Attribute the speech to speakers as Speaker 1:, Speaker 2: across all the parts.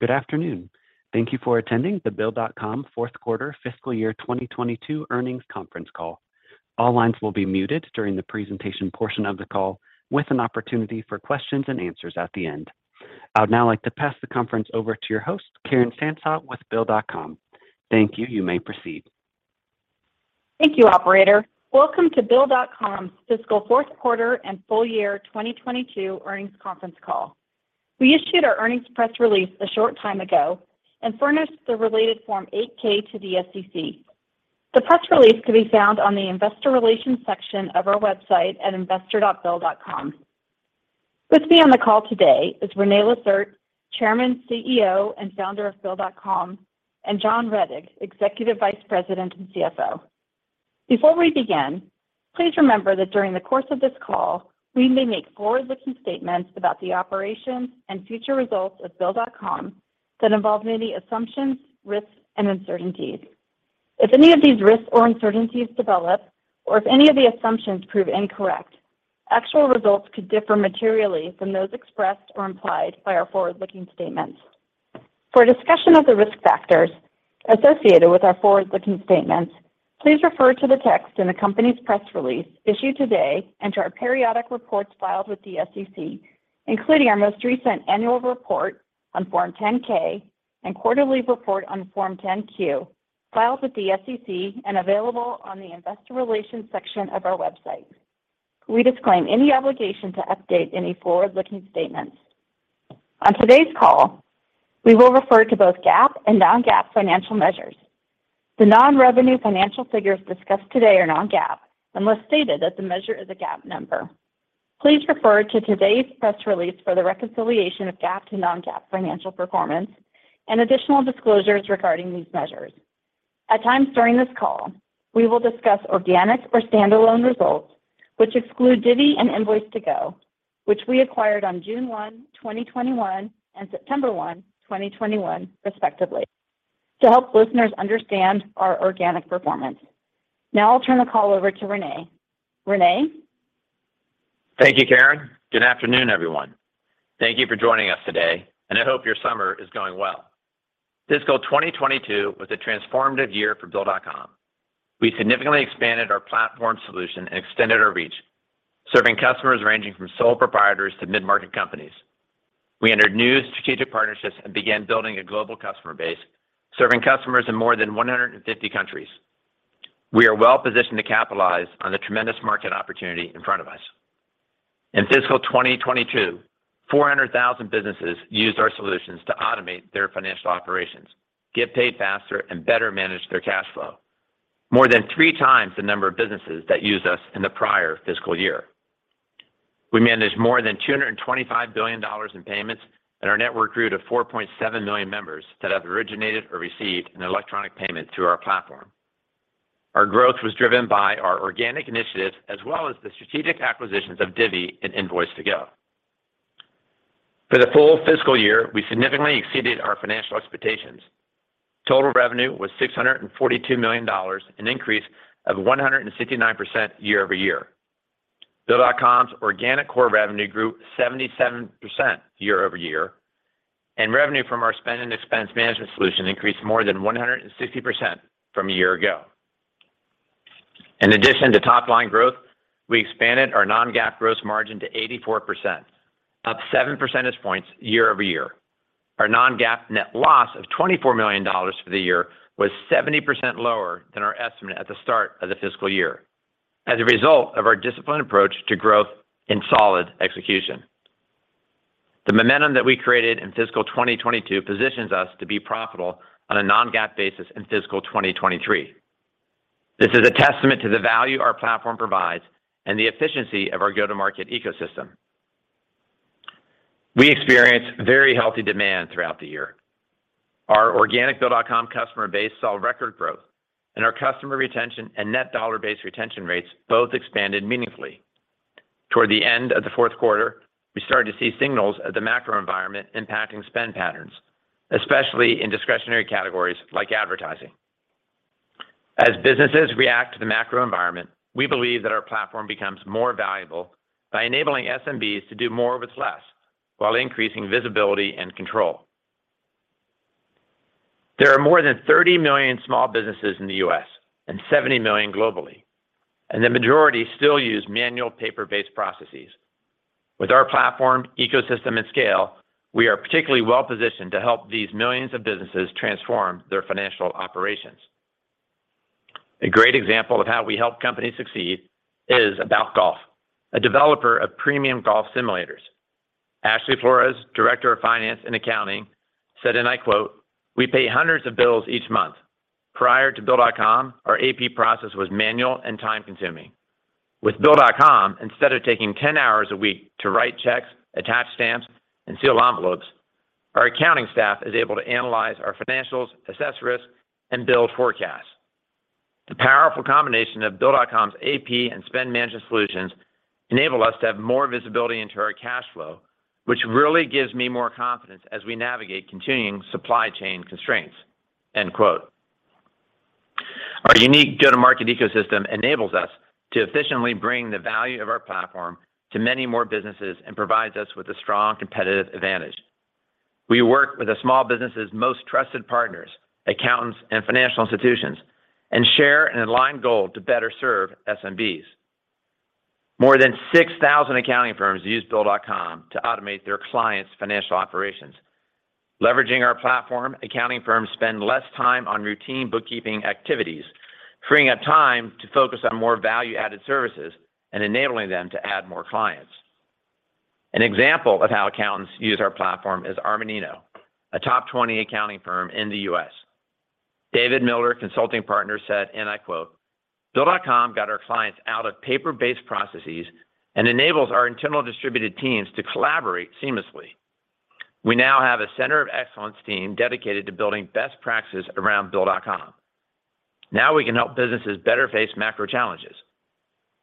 Speaker 1: Good afternoon. Thank you for attending the Bill.com fourth quarter fiscal year 2022 earnings conference call. All lines will be muted during the presentation portion of the call with an opportunity for questions and answers at the end. I would now like to pass the conference over to your host, Karen Sansot with Bill.com. Thank you. You may proceed.
Speaker 2: Thank you, operator. Welcome to Bill.com's fiscal fourth quarter and full year 2022 earnings conference call. We issued our earnings press release a short time ago and furnished the related Form 8-K to the SEC. The press release can be found on the investor relations section of our website at investor.bill.com. With me on the call today is René Lacerte, Chairman, CEO, and Founder of Bill.com, and John Rettig, Executive Vice President and CFO. Before we begin, please remember that during the course of this call, we may make forward-looking statements about the operations and future results of Bill.com that involve many assumptions, risks, and uncertainties. If any of these risks or uncertainties develop or if any of the assumptions prove incorrect, actual results could differ materially from those expressed or implied by our forward-looking statements. For a discussion of the risk factors associated with our forward-looking statements, please refer to the text in the company's press release issued today and to our periodic reports filed with the SEC, including our most recent annual report on Form 10-K and quarterly report on Form 10-Q filed with the SEC and available on the investor relations section of our website. We disclaim any obligation to update any forward-looking statements. On today's call, we will refer to both GAAP and non-GAAP financial measures. The non-revenue financial figures discussed today are non-GAAP unless stated that the measure is a GAAP number. Please refer to today's press release for the reconciliation of GAAP to non-GAAP financial performance and additional disclosures regarding these measures. At times during this call, we will discuss organic or standalone results which exclude Divvy and Invoice2go, which we acquired on June 1, 2021 and September 1, 2021 respectively to help listeners understand our organic performance. Now I'll turn the call over to René. René?
Speaker 3: Thank you, Karen. Good afternoon, everyone. Thank you for joining us today, and I hope your summer is going well. Fiscal 2022 was a transformative year for Bill.com. We significantly expanded our platform solution and extended our reach, serving customers ranging from sole proprietors to mid-market companies. We entered new strategic partnerships and began building a global customer base, serving customers in more than 150 countries. We are well positioned to capitalize on the tremendous market opportunity in front of us. In fiscal 2022, 400,000 businesses used our solutions to automate their financial operations, get paid faster, and better manage their cash flow, more than 3x the number of businesses that used us in the prior fiscal year. We managed more than $225 billion in payments, and our network grew to 4.7 million members that have originated or received an electronic payment through our platform. Our growth was driven by our organic initiatives as well as the strategic acquisitions of Divvy and Invoice2go. For the full fiscal year, we significantly exceeded our financial expectations. Total revenue was $642 million, an increase of 169% year-over-year. Bill.com's organic core revenue grew 77% year-over-year, and revenue from our spend and expense management solution increased more than 160% from a year ago. In addition to top-line growth, we expanded our non-GAAP gross margin to 84%, up 7 percentage points year-over-year. Our non-GAAP net loss of $24 million for the year was 70% lower than our estimate at the start of the fiscal year as a result of our disciplined approach to growth and solid execution. The momentum that we created in fiscal 2022 positions us to be profitable on a non-GAAP basis in fiscal 2023. This is a testament to the value our platform provides and the efficiency of our go-to-market ecosystem. We experienced very healthy demand throughout the year. Our organic Bill.com customer base saw record growth, and our customer retention and net dollar-based retention rates both expanded meaningfully. Toward the end of the fourth quarter, we started to see signals of the macro environment impacting spend patterns, especially in discretionary categories like advertising. As businesses react to the macro environment, we believe that our platform becomes more valuable by enabling SMBs to do more with less while increasing visibility and control. There are more than 30 million small businesses in the U.S. and 70 million globally, and the majority still use manual paper-based processes. With our platform, ecosystem, and scale, we are particularly well positioned to help these millions of businesses transform their financial operations. A great example of how we help companies succeed is aboutGOLF, a developer of premium golf simulators. Ashley Flores, Director of Finance and Accounting, said, and I quote, "We pay hundreds of bills each month. Prior to Bill.com, our AP process was manual and time consuming. With Bill.com, instead of taking 10 hours a week to write checks, attach stamps, and seal envelopes, our accounting staff is able to analyze our financials, assess risks, and build forecasts. The powerful combination of Bill.com's AP and spend management solutions enable us to have more visibility into our cash flow, which really gives me more confidence as we navigate continuing supply chain constraints." End quote. Our unique go-to-market ecosystem enables us to efficiently bring the value of our platform to many more businesses and provides us with a strong competitive advantage. We work with the small businesses' most trusted partners, accountants, and financial institutions, and share an aligned goal to better serve SMBs. More than 6,000 accounting firms use Bill.com to automate their clients' financial operations. Leveraging our platform, accounting firms spend less time on routine bookkeeping activities, freeing up time to focus on more value-added services and enabling them to add more clients. An example of how accountants use our platform is Armanino, a top 20 accounting firm in the U.S. David Miller, Consulting Partner, said, and I quote, "Bill.com got our clients out of paper-based processes and enables our internal distributed teams to collaborate seamlessly. We now have a center of excellence team dedicated to building best practices around Bill.com. Now we can help businesses better face macro challenges.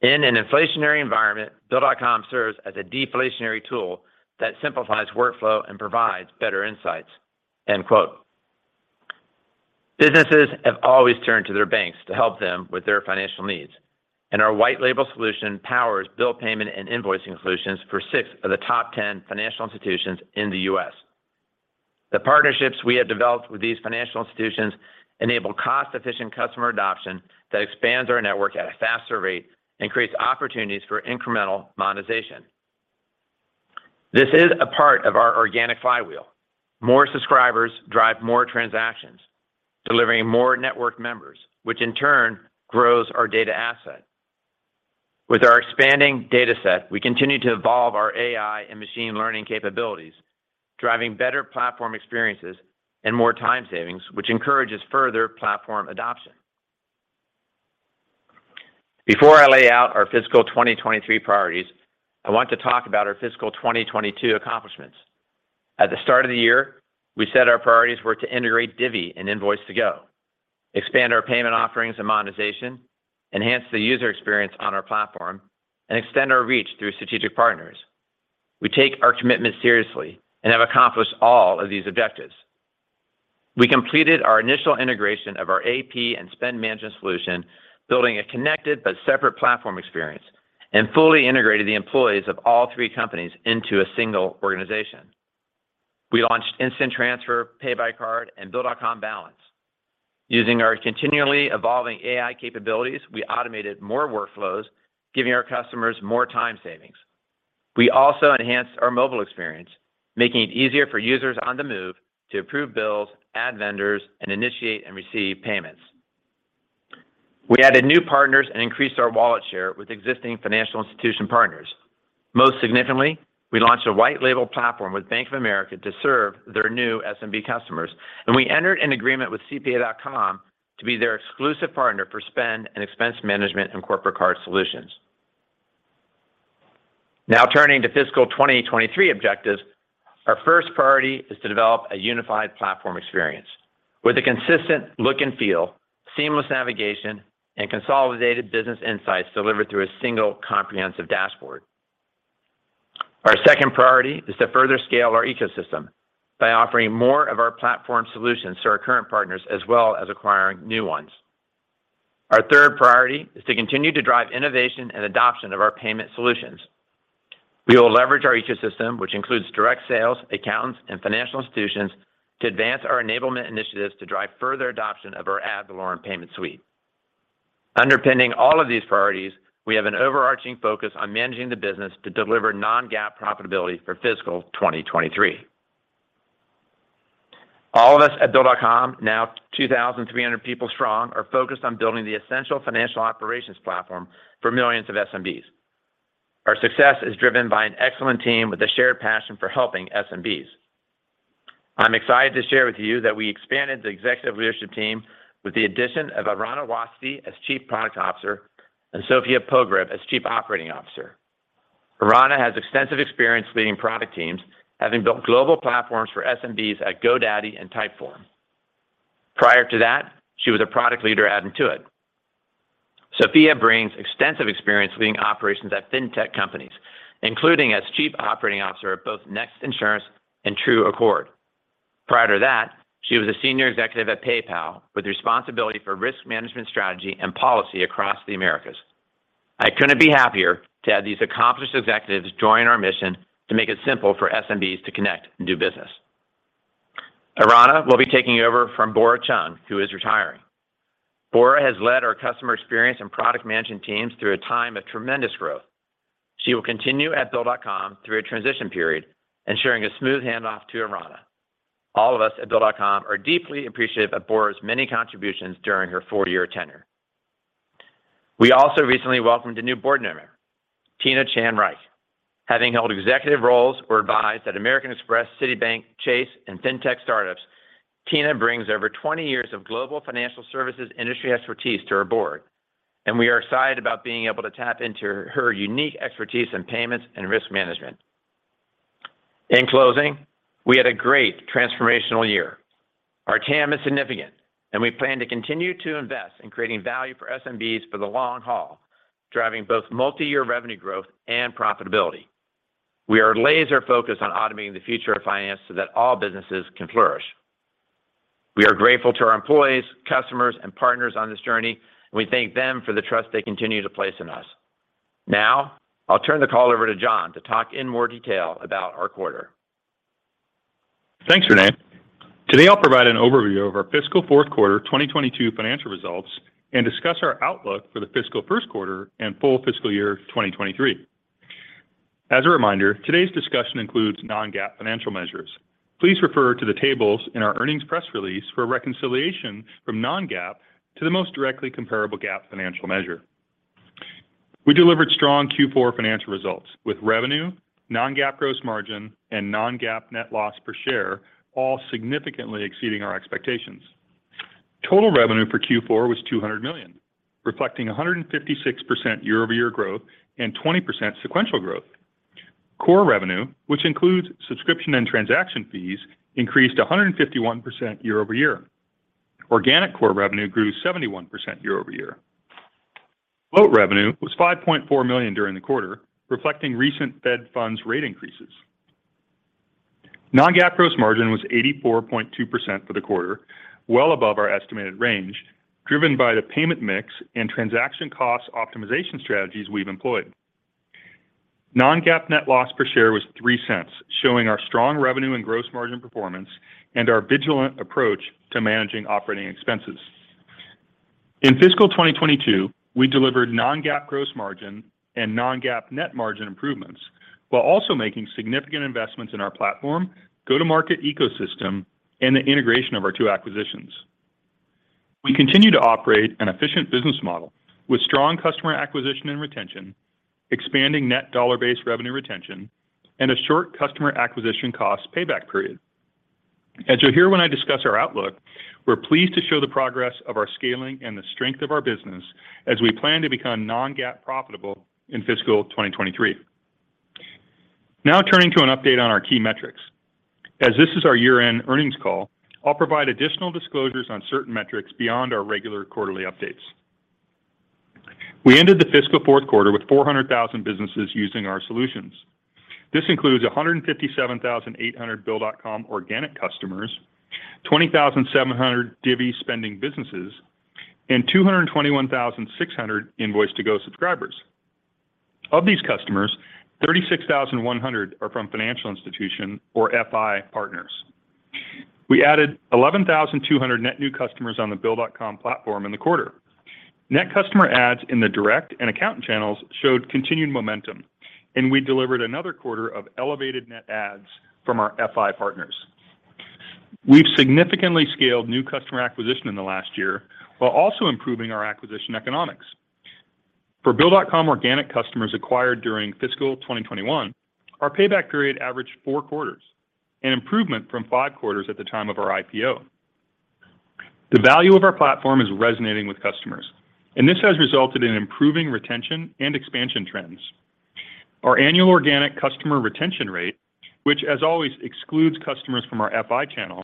Speaker 3: In an inflationary environment, Bill.com serves as a deflationary tool that simplifies workflow and provides better insights." End quote. Businesses have always turned to their banks to help them with their financial needs, and our white label solution powers bill payment and invoicing solutions for six of the top 10 financial institutions in the U.S. The partnerships we have developed with these financial institutions enable cost-efficient customer adoption that expands our network at a faster rate and creates opportunities for incremental monetization. This is a part of our organic flywheel. More subscribers drive more transactions, delivering more network members, which in turn grows our data asset. With our expanding data set, we continue to evolve our AI and machine learning capabilities, driving better platform experiences and more time savings, which encourages further platform adoption. Before I lay out our fiscal 2023 priorities, I want to talk about our fiscal 2022 accomplishments. At the start of the year, we said our priorities were to integrate Divvy and Invoice2go, expand our payment offerings and monetization, enhance the user experience on our platform, and extend our reach through strategic partners. We take our commitment seriously and have accomplished all of these objectives. We completed our initial integration of our AP and spend management solution, building a connected but separate platform experience, and fully integrated the employees of all three companies into a single organization. We launched Instant Transfer, Pay By Card, and Bill.com balance. Using our continually evolving AI capabilities, we automated more workflows, giving our customers more time savings. We also enhanced our mobile experience, making it easier for users on the move to approve bills, add vendors, and initiate and receive payments. We added new partners and increased our wallet share with existing financial institution partners. Most significantly, we launched a white label platform with Bank of America to serve their new SMB customers, and we entered an agreement with CPA.com to be their exclusive partner for spend and expense management and corporate card solutions. Now turning to fiscal 2023 objectives, our first priority is to develop a unified platform experience with a consistent look and feel, seamless navigation, and consolidated business insights delivered through a single comprehensive dashboard. Our second priority is to further scale our ecosystem by offering more of our platform solutions to our current partners as well as acquiring new ones. Our third priority is to continue to drive innovation and adoption of our payment solutions. We will leverage our ecosystem, which includes direct sales, accountants, and financial institutions, to advance our enablement initiatives to drive further adoption of our Ad Valorem payment suite. Underpinning all of these priorities, we have an overarching focus on managing the business to deliver non-GAAP profitability for fiscal 2023. All of us at Bill.com, now 2,300 people strong, are focused on building the essential financial operations platform for millions of SMBs. Our success is driven by an excellent team with a shared passion for helping SMBs. I'm excited to share with you that we expanded the executive leadership team with the addition of Irana Wasti as Chief Product Officer and Sofya Pogreb as Chief Operating Officer. Irana has extensive experience leading product teams, having built global platforms for SMBs at GoDaddy and Typeform. Prior to that, she was a product leader at Intuit. Sofya brings extensive experience leading operations at fintech companies, including as Chief Operating Officer at both Next Insurance and TrueAccord. Prior to that, she was a senior executive at PayPal with responsibility for risk management strategy and policy across the Americas. I couldn't be happier to have these accomplished executives join our mission to make it simple for SMBs to connect and do business. Irana will be taking over from Bora Chung, who is retiring. Bora has led our customer experience and product management teams through a time of tremendous growth. She will continue at Bill.com through a transition period, ensuring a smooth handoff to Irana. All of us at Bill.com are deeply appreciative of Bora's many contributions during her four-year tenure. We also recently welcomed a new board member, Tina Chan Reich. Having held executive roles or advised at American Express, Citibank, Chase, and fintech startups, Tina brings over 20 years of global financial services industry expertise to our board, and we are excited about being able to tap into her unique expertise in payments and risk management. In closing, we had a great transformational year. Our TAM is significant, and we plan to continue to invest in creating value for SMBs for the long haul, driving both multi-year revenue growth and profitability. We are laser focused on automating the future of finance so that all businesses can flourish. We are grateful to our employees, customers, and partners on this journey, and we thank them for the trust they continue to place in us. Now, I'll turn the call over to John to talk in more detail about our quarter.
Speaker 4: Thanks, René. Today, I'll provide an overview of our fiscal fourth quarter 2022 financial results and discuss our outlook for the fiscal first quarter and full fiscal year 2023. As a reminder, today's discussion includes non-GAAP financial measures. Please refer to the tables in our earnings press release for a reconciliation from non-GAAP to the most directly comparable GAAP financial measure. We delivered strong Q4 financial results with revenue, non-GAAP gross margin, and non-GAAP net loss per share all significantly exceeding our expectations. Total revenue for Q4 was $200 million, reflecting 156% year-over-year growth and 20% sequential growth. Core revenue, which includes subscription and transaction fees, increased 151% year-over-year. Organic core revenue grew 71% year-over-year. Float revenue was $5.4 million during the quarter, reflecting recent Fed funds rate increases. Non-GAAP gross margin was 84.2% for the quarter, well above our estimated range, driven by the payment mix and transaction cost optimization strategies we've employed. Non-GAAP net loss per share was $0.03, showing our strong revenue and gross margin performance and our vigilant approach to managing operating expenses. In fiscal 2022, we delivered non-GAAP gross margin and non-GAAP net margin improvements while also making significant investments in our platform, go-to-market ecosystem, and the integration of our two acquisitions. We continue to operate an efficient business model with strong customer acquisition and retention, expanding net dollar-based revenue retention, and a short customer acquisition cost payback period. As you'll hear when I discuss our outlook, we're pleased to show the progress of our scaling and the strength of our business as we plan to become non-GAAP profitable in fiscal 2023. Now turning to an update on our key metrics. As this is our year-end earnings call, I'll provide additional disclosures on certain metrics beyond our regular quarterly updates. We ended the fiscal fourth quarter with 400,000 businesses using our solutions. This includes 157,800 Bill.com organic customers, 20,700 Divvy spending businesses, and 221,600 Invoice2go subscribers. Of these customers, 36,100 are from financial institution or FI partners. We added 11,200 net new customers on the Bill.com platform in the quarter. Net customer adds in the direct and accountant channels showed continued momentum, and we delivered another quarter of elevated net adds from our FI partners. We've significantly scaled new customer acquisition in the last year while also improving our acquisition economics. For Bill.com organic customers acquired during fiscal 2021, our payback period averaged four quarters, an improvement from five quarters at the time of our IPO. The value of our platform is resonating with customers, and this has resulted in improving retention and expansion trends. Our annual organic customer retention rate, which as always excludes customers from our FI channel,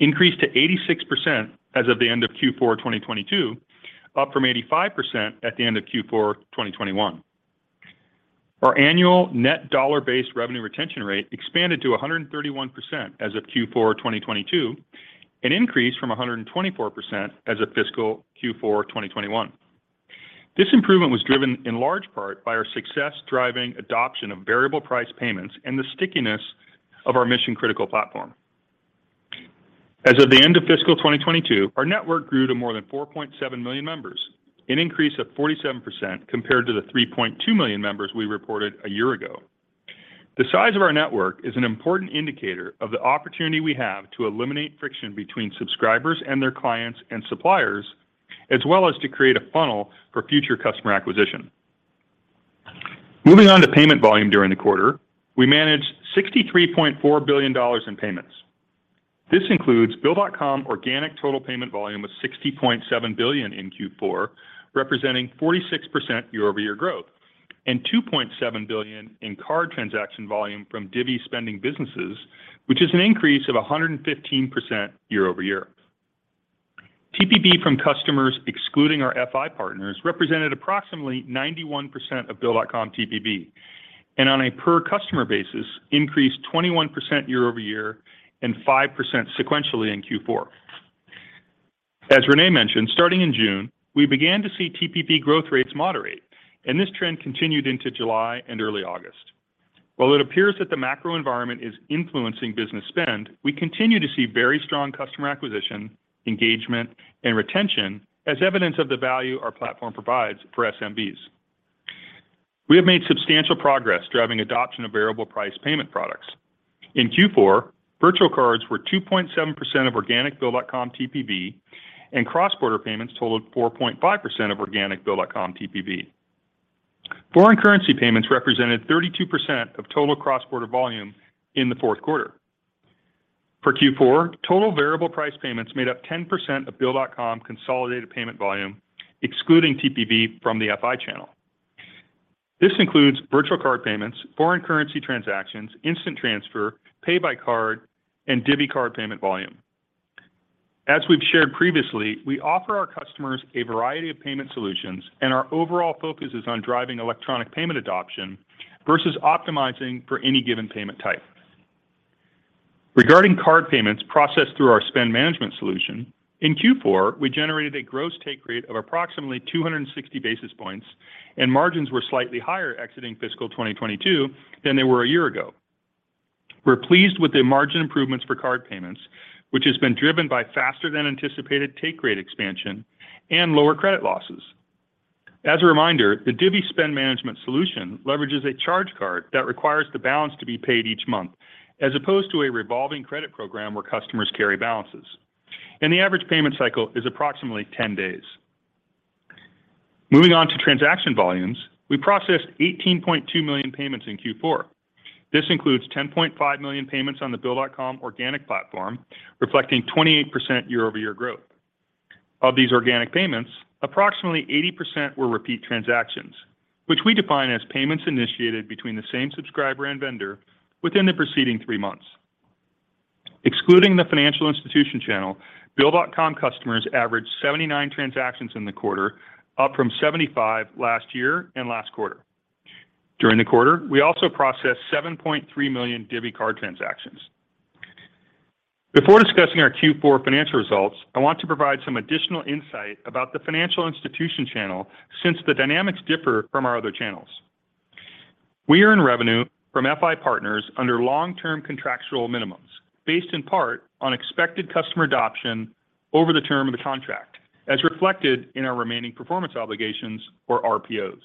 Speaker 4: increased to 86% as of the end of Q4 2022, up from 85% at the end of Q4 2021. Our annual net dollar-based revenue retention rate expanded to 131% as of Q4 2022, an increase from 124% as of fiscal Q4 2021. This improvement was driven in large part by our success driving adoption of variable price payments and the stickiness of our mission-critical platform. As of the end of fiscal 2022, our network grew to more than 4.7 million members, an increase of 47% compared to the 3.2 million members we reported a year ago. The size of our network is an important indicator of the opportunity we have to eliminate friction between subscribers and their clients and suppliers, as well as to create a funnel for future customer acquisition. Moving on to payment volume during the quarter, we managed $63.4 billion in payments. This includes Bill.com organic total payment volume of $60.7 billion in Q4, representing 46% year-over-year growth, and $2.7 billion in card transaction volume from Divvy spending businesses, which is an increase of 115% year-over-year. TPV from customers excluding our FI partners represented approximately 91% of Bill.com TPV, and on a per customer basis, increased 21% year-over-year and 5% sequentially in Q4. René mentioned, starting in June, we began to see TPV growth rates moderate, and this trend continued into July and early August. While it appears that the macro environment is influencing business spend, we continue to see very strong customer acquisition, engagement, and retention as evidence of the value our platform provides for SMBs. We have made substantial progress driving adoption of variable price payment products. In Q4, virtual cards were 2.7% of organic Bill.com TPV and cross-border payments totaled 4.5% of organic Bill.com TPV. Foreign currency payments represented 32% of total cross-border volume in the fourth quarter. For Q4, total variable price payments made up 10% of Bill.com consolidated payment volume, excluding TPV from the FI channel. This includes virtual card payments, foreign currency transactions, Instant Transfer, Pay By Card, and Divvy card payment volume. As we've shared previously, we offer our customers a variety of payment solutions, and our overall focus is on driving electronic payment adoption versus optimizing for any given payment type. Regarding card payments processed through our spend management solution, in Q4, we generated a gross take rate of approximately 260 basis points, and margins were slightly higher exiting fiscal 2022 than they were a year ago. We're pleased with the margin improvements for card payments, which has been driven by faster than anticipated take rate expansion and lower credit losses. As a reminder, the Divvy spend management solution leverages a charge card that requires the balance to be paid each month, as opposed to a revolving credit program where customers carry balances. The average payment cycle is approximately 10 days. Moving on to transaction volumes, we processed 18.2 million payments in Q4. This includes 10.5 million payments on the Bill.com organic platform, reflecting 28% year-over-year growth. Of these organic payments, approximately 80% were repeat transactions, which we define as payments initiated between the same subscriber and vendor within the preceding three months. Excluding the financial institution channel, Bill.com customers averaged 79 transactions in the quarter, up from 75 last year and last quarter. During the quarter, we also processed 7.3 million Divvy card transactions. Before discussing our Q4 financial results, I want to provide some additional insight about the financial institution channel since the dynamics differ from our other channels. We earn revenue from FI partners under long-term contractual minimums based in part on expected customer adoption over the term of the contract, as reflected in our remaining performance obligations or RPOs.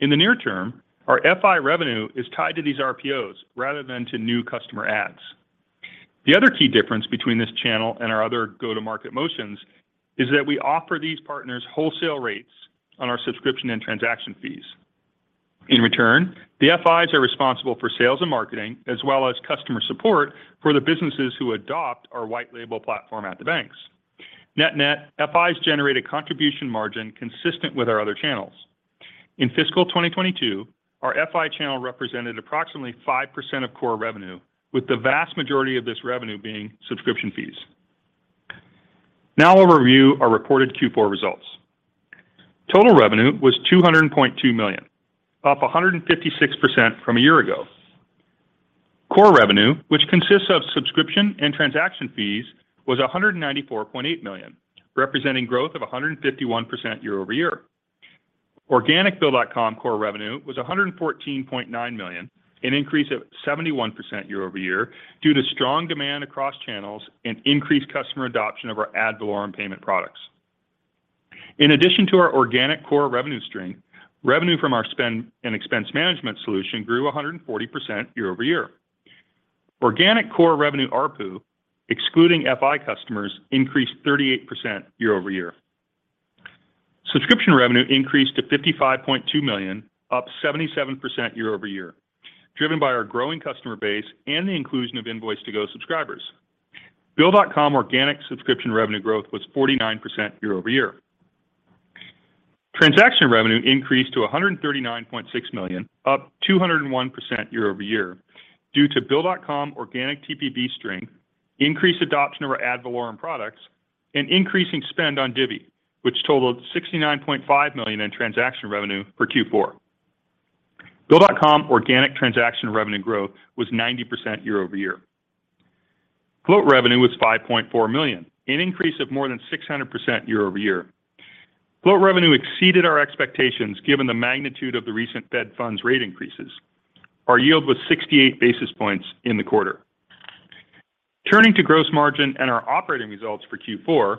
Speaker 4: In the near term, our FI revenue is tied to these RPOs rather than to new customer adds. The other key difference between this channel and our other go-to-market motions is that we offer these partners wholesale rates on our subscription and transaction fees. In return, the FIs are responsible for sales and marketing, as well as customer support for the businesses who adopt our white label platform at the banks. Net-net, FIs generate a contribution margin consistent with our other channels. In fiscal 2022, our FI channel represented approximately 5% of core revenue, with the vast majority of this revenue being subscription fees. Now I'll review our reported Q4 results. Total revenue was $200.2 million, up 156% from a year ago. Core revenue, which consists of subscription and transaction fees, was $194.8 million, representing growth of 151% year-over-year. Organic Bill.com core revenue was $114.9 million, an increase of 71% year-over-year due to strong demand across channels and increased customer adoption of our ad valorem payment products. In addition to our organic core revenue stream, revenue from our spend and expense management solution grew 140% year-over-year. Organic core revenue ARPU, excluding FI customers, increased 38% year-over-year. Subscription revenue increased to $55.2 million, up 77% year-over-year, driven by our growing customer base and the inclusion of Invoice2go subscribers. Bill.com organic subscription revenue growth was 49% year-over-year. Transaction revenue increased to $139.6 million, up 201% year-over-year due to Bill.com organic TPV stream, increased adoption of our Ad Valorem products, and increasing spend on Divvy, which totaled $69.5 million in transaction revenue for Q4. Bill.com organic transaction revenue growth was 90% year-over-year. Float revenue was $5.4 million, an increase of more than 600% year-over-year. Float revenue exceeded our expectations given the magnitude of the recent Fed funds rate increases. Our yield was 68 basis points in the quarter. Turning to gross margin and our operating results for Q4,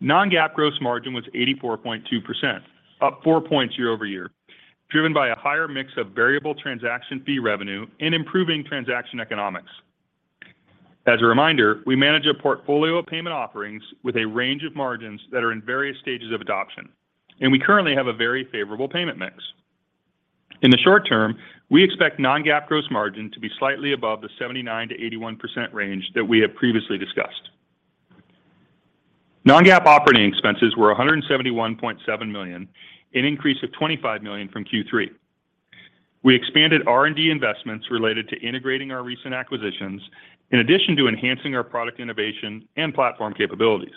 Speaker 4: non-GAAP gross margin was 84.2%, up four points year-over-year, driven by a higher mix of variable transaction fee revenue and improving transaction economics. As a reminder, we manage a portfolio of payment offerings with a range of margins that are in various stages of adoption, and we currently have a very favorable payment mix. In the short term, we expect non-GAAP gross margin to be slightly above the 79%-81% range that we have previously discussed. Non-GAAP operating expenses were $171.7 million, an increase of $25 million from Q3. We expanded R&D investments related to integrating our recent acquisitions in addition to enhancing our product innovation and platform capabilities.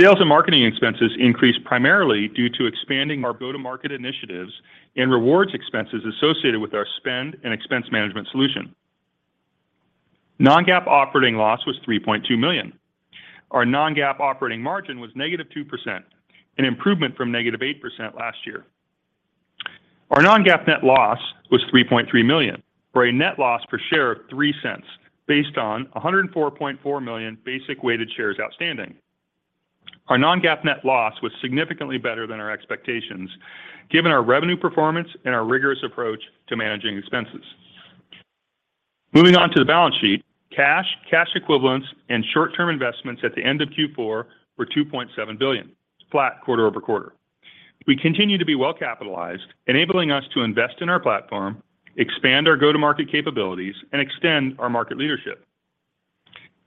Speaker 4: Sales and marketing expenses increased primarily due to expanding our go-to-market initiatives and rewards expenses associated with our spend and expense management solution. non-GAAP operating loss was $3.2 million. Our non-GAAP operating margin was -2%, an improvement from -8% last year. Our non-GAAP net loss was $3.3 million, for a net loss per share of $0.03, based on 104.4 million basic weighted shares outstanding. Our non-GAAP net loss was significantly better than our expectations, given our revenue performance and our rigorous approach to managing expenses. Moving on to the balance sheet, cash equivalents, and short-term investments at the end of Q4 were $2.7 billion, flat quarter-over-quarter. We continue to be well-capitalized, enabling us to invest in our platform, expand our go-to-market capabilities, and extend our market leadership.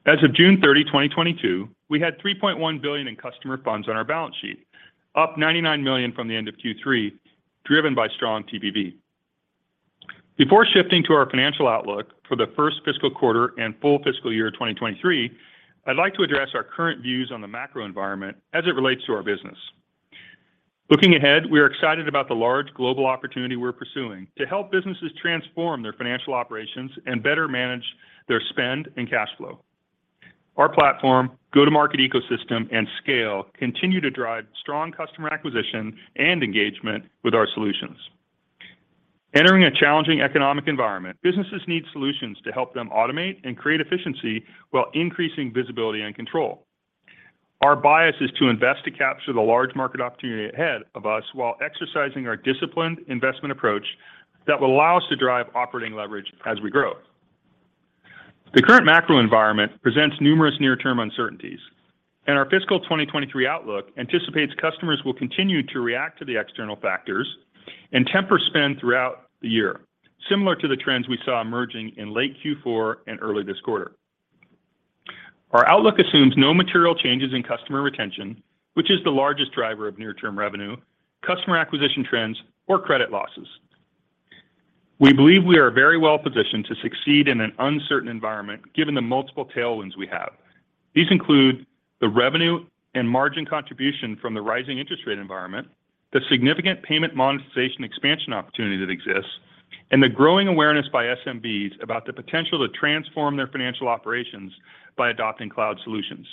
Speaker 4: As of June 30, 2022, we had $3.1 billion in customer funds on our balance sheet, up $99 million from the end of Q3, driven by strong TPV. Before shifting to our financial outlook for the first fiscal quarter and full fiscal year 2023, I'd like to address our current views on the macro environment as it relates to our business. Looking ahead, we are excited about the large global opportunity we're pursuing to help businesses transform their financial operations and better manage their spend and cash flow. Our platform, go-to-market ecosystem, and scale continue to drive strong customer acquisition and engagement with our solutions. Entering a challenging economic environment, businesses need solutions to help them automate and create efficiency while increasing visibility and control. Our bias is to invest to capture the large market opportunity ahead of us while exercising our disciplined investment approach that will allow us to drive operating leverage as we grow. The current macro environment presents numerous near-term uncertainties, and our fiscal 2023 outlook anticipates customers will continue to react to the external factors and temper spend throughout the year, similar to the trends we saw emerging in late Q4 and early this quarter. Our outlook assumes no material changes in customer retention, which is the largest driver of near-term revenue, customer acquisition trends or credit losses. We believe we are very well positioned to succeed in an uncertain environment given the multiple tailwinds we have. These include the revenue and margin contribution from the rising interest rate environment, the significant payment monetization expansion opportunity that exists, and the growing awareness by SMBs about the potential to transform their financial operations by adopting cloud solutions.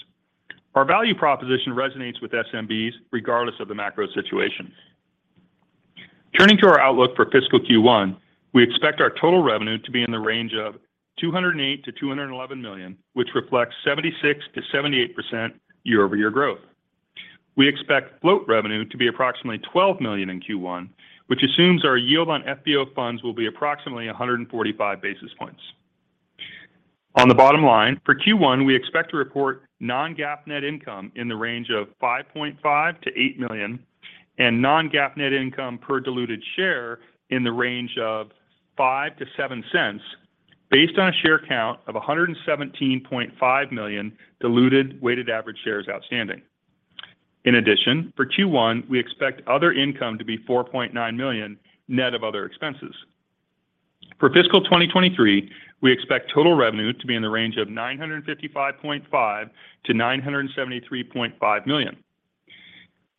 Speaker 4: Our value proposition resonates with SMBs regardless of the macro situation. Turning to our outlook for fiscal Q1, we expect our total revenue to be in the range of $208 million-$211 million, which reflects 76%-78% year-over-year growth. We expect float revenue to be approximately $12 million in Q1, which assumes our yield on FBO funds will be approximately 145 basis points. On the bottom line, for Q1, we expect to report non-GAAP net income in the range of $5.5 million-$8 million and non-GAAP net income per diluted share in the range of $0.05-$0.07 based on a share count of 117.5 million diluted weighted average shares outstanding. In addition, for Q1, we expect other income to be $4.9 million net of other expenses. For fiscal 2023, we expect total revenue to be in the range of $955.5 million-$973.5 million.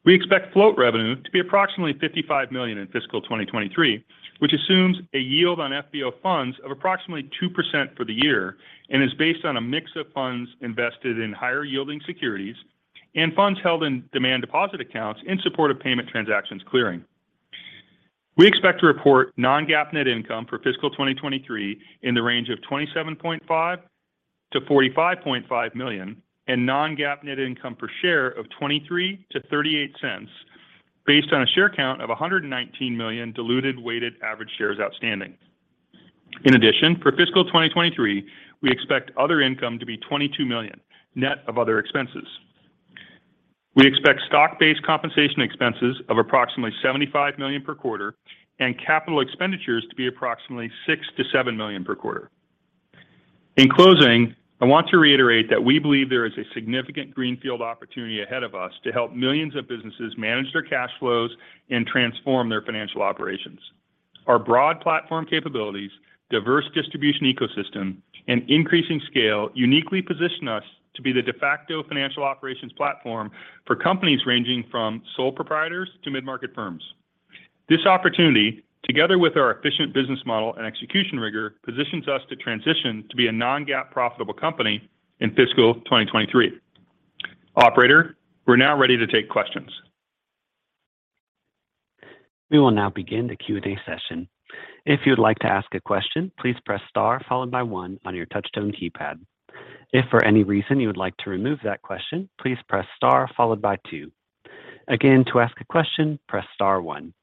Speaker 4: We expect float revenue to be approximately $55 million in fiscal 2023, which assumes a yield on FBO funds of approximately 2% for the year and is based on a mix of funds invested in higher-yielding securities and funds held in demand deposit accounts in support of payment transactions clearing. We expect to report non-GAAP net income for fiscal 2023 in the range of $27.5 million-$45.5 million and non-GAAP net income per share of $0.23-$0.38 based on a share count of 119 million diluted weighted average shares outstanding. In addition, for fiscal 2023, we expect other income to be $22 million net of other expenses. We expect stock-based compensation expenses of approximately $75 million per quarter and capital expenditures to be approximately $6 million-$7 million per quarter. In closing, I want to reiterate that we believe there is a significant greenfield opportunity ahead of us to help millions of businesses manage their cash flows and transform their financial operations. Our broad platform capabilities, diverse distribution ecosystem, and increasing scale uniquely position us to be the de facto financial operations platform for companies ranging from sole proprietors to mid-market firms. This opportunity, together with our efficient business model and execution rigor, positions us to transition to be a non-GAAP profitable company in fiscal 2023. Operator, we're now ready to take questions.
Speaker 1: We will now begin the Q&A session. If you'd like to ask a question, please press star followed by one on your touchtone keypad. If for any reason you would like to remove that question, please press star followed by two. Again, to ask a question, press star one.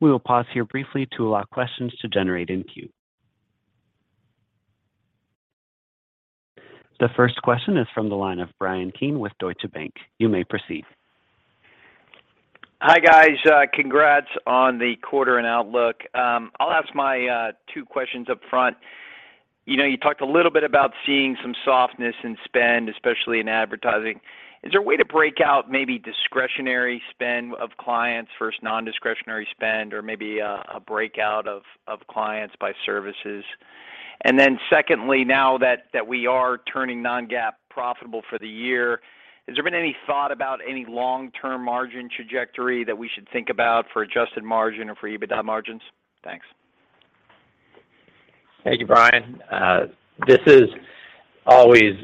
Speaker 1: We will pause here briefly to allow questions to generate in queue. The first question is from the line of Bryan Keane with Deutsche Bank. You may proceed.
Speaker 5: Hi, guys. Congrats on the quarter and outlook. I'll ask my two questions up front. You know, you talked a little bit about seeing some softness in spend, especially in advertising. Is there a way to break out maybe discretionary spend of clients versus non-discretionary spend or maybe a breakout of clients by services? Then secondly, now that we are turning non-GAAP profitable for the year, has there been any thought about any long-term margin trajectory that we should think about for adjusted margin or for EBITDA margins? Thanks.
Speaker 4: Thank you, Bryan. This is always,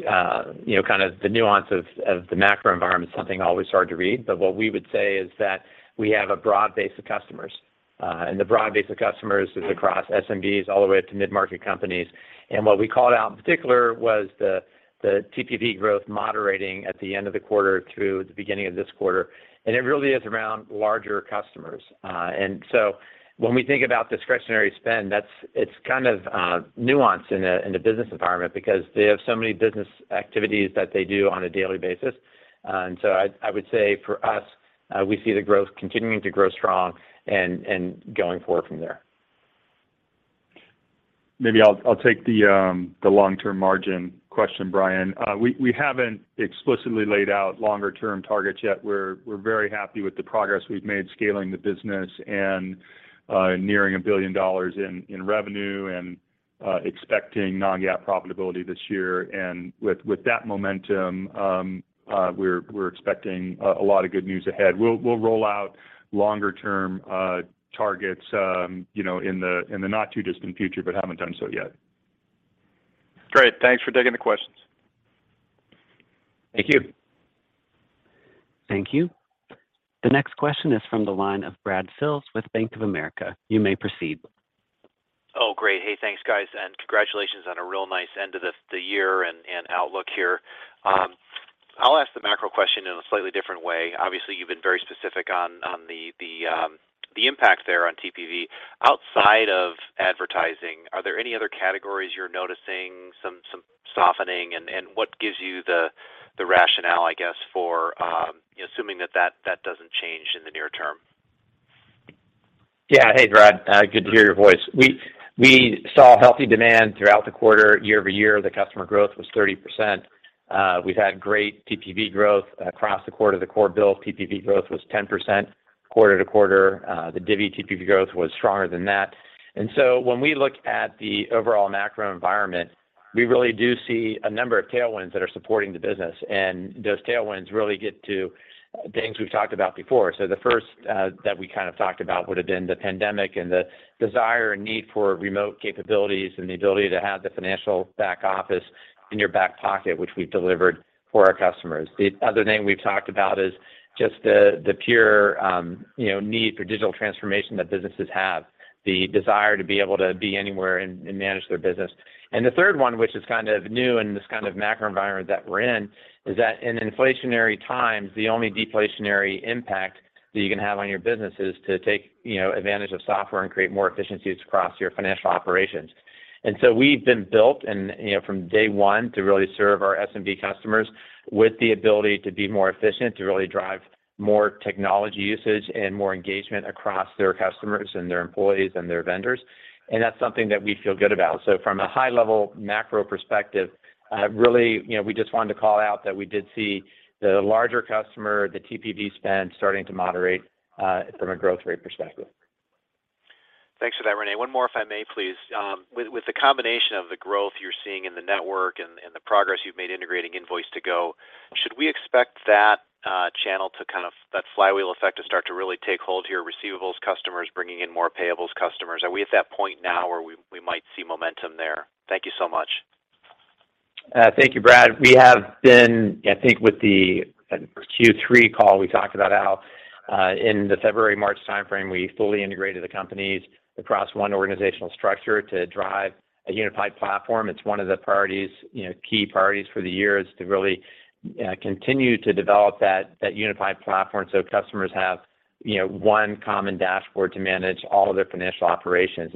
Speaker 4: you know, kind of the nuance of the macro environment, something always hard to read. What we would say is that we have a broad base of customers, and the broad base of customers is across SMBs all the way up to mid-market companies. What we called out in particular was the TPV growth moderating at the end of the quarter through the beginning of this quarter. It really is around larger customers. When we think about discretionary spend, it's kind of nuanced in a business environment because they have so many business activities that they do on a daily basis. I would say for us, we see the growth continuing to grow strong and going forward from there. Maybe I'll take the long-term margin question, Bryan. We haven't explicitly laid out longer-term targets yet. We're very happy with the progress we've made scaling the business and nearing $1 billion in revenue and expecting non-GAAP profitability this year. With that momentum, we're expecting a lot of good news ahead. We'll roll out longer-term targets, you know, in the not too distant future, but haven't done so yet.
Speaker 5: Great. Thanks for taking the questions.
Speaker 3: Thank you.
Speaker 1: Thank you. The next question is from the line of Bradley Sills with Bank of America. You may proceed.
Speaker 6: Oh, great. Hey, thanks, guys, and congratulations on a real nice end to the year and outlook here. I'll ask the macro question in a slightly different way. Obviously, you've been very specific on the impact there on TPV. Outside of advertising, are there any other categories you're noticing some softening? What gives you the rationale, I guess, for assuming that doesn't change in the near term?
Speaker 3: Yeah. Hey, Brad. Good to hear your voice. We saw healthy demand throughout the quarter. Year-over-year, the customer growth was 30%. We've had great TPV growth across the quarter. The core BILL TPV growth was 10% quarter-to-quarter. The Divvy TPV growth was stronger than that. When we look at the overall macro environment, we really do see a number of tailwinds that are supporting the business, and those tailwinds really get to things we've talked about before. The first that we kind of talked about would have been the pandemic and the desire and need for remote capabilities and the ability to have the financial back office in your back pocket, which we've delivered for our customers. The other thing we've talked about is just the pure, you know, need for digital transformation that businesses have, the desire to be able to be anywhere and manage their business. The third one, which is kind of new in this kind of macro environment that we're in, is that in inflationary times, the only deflationary impact that you can have on your business is to take, you know, advantage of software and create more efficiencies across your financial operations. We've been built and, you know, from day one to really serve our SMB customers with the ability to be more efficient, to really drive more technology usage and more engagement across their customers and their employees and their vendors. That's something that we feel good about. From a high-level macro perspective, really, you know, we just wanted to call out that we did see the larger customer, the TPV spend starting to moderate, from a growth rate perspective.
Speaker 6: Thanks for that, René. One more, if I may, please. With the combination of the growth you're seeing in the network and the progress you've made integrating Invoice2go, should we expect that flywheel effect to start to really take hold here, receivables customers bringing in more payables customers? Are we at that point now where we might see momentum there? Thank you so much.
Speaker 3: Thank you, Brad. We have been, I think with the Q3 call, we talked about how, in the February-March timeframe, we fully integrated the companies across one organizational structure to drive a unified platform. It's one of the priorities, you know, key priorities for the year is to really, continue to develop that unified platform so customers have, you know, one common dashboard to manage all of their financial operations.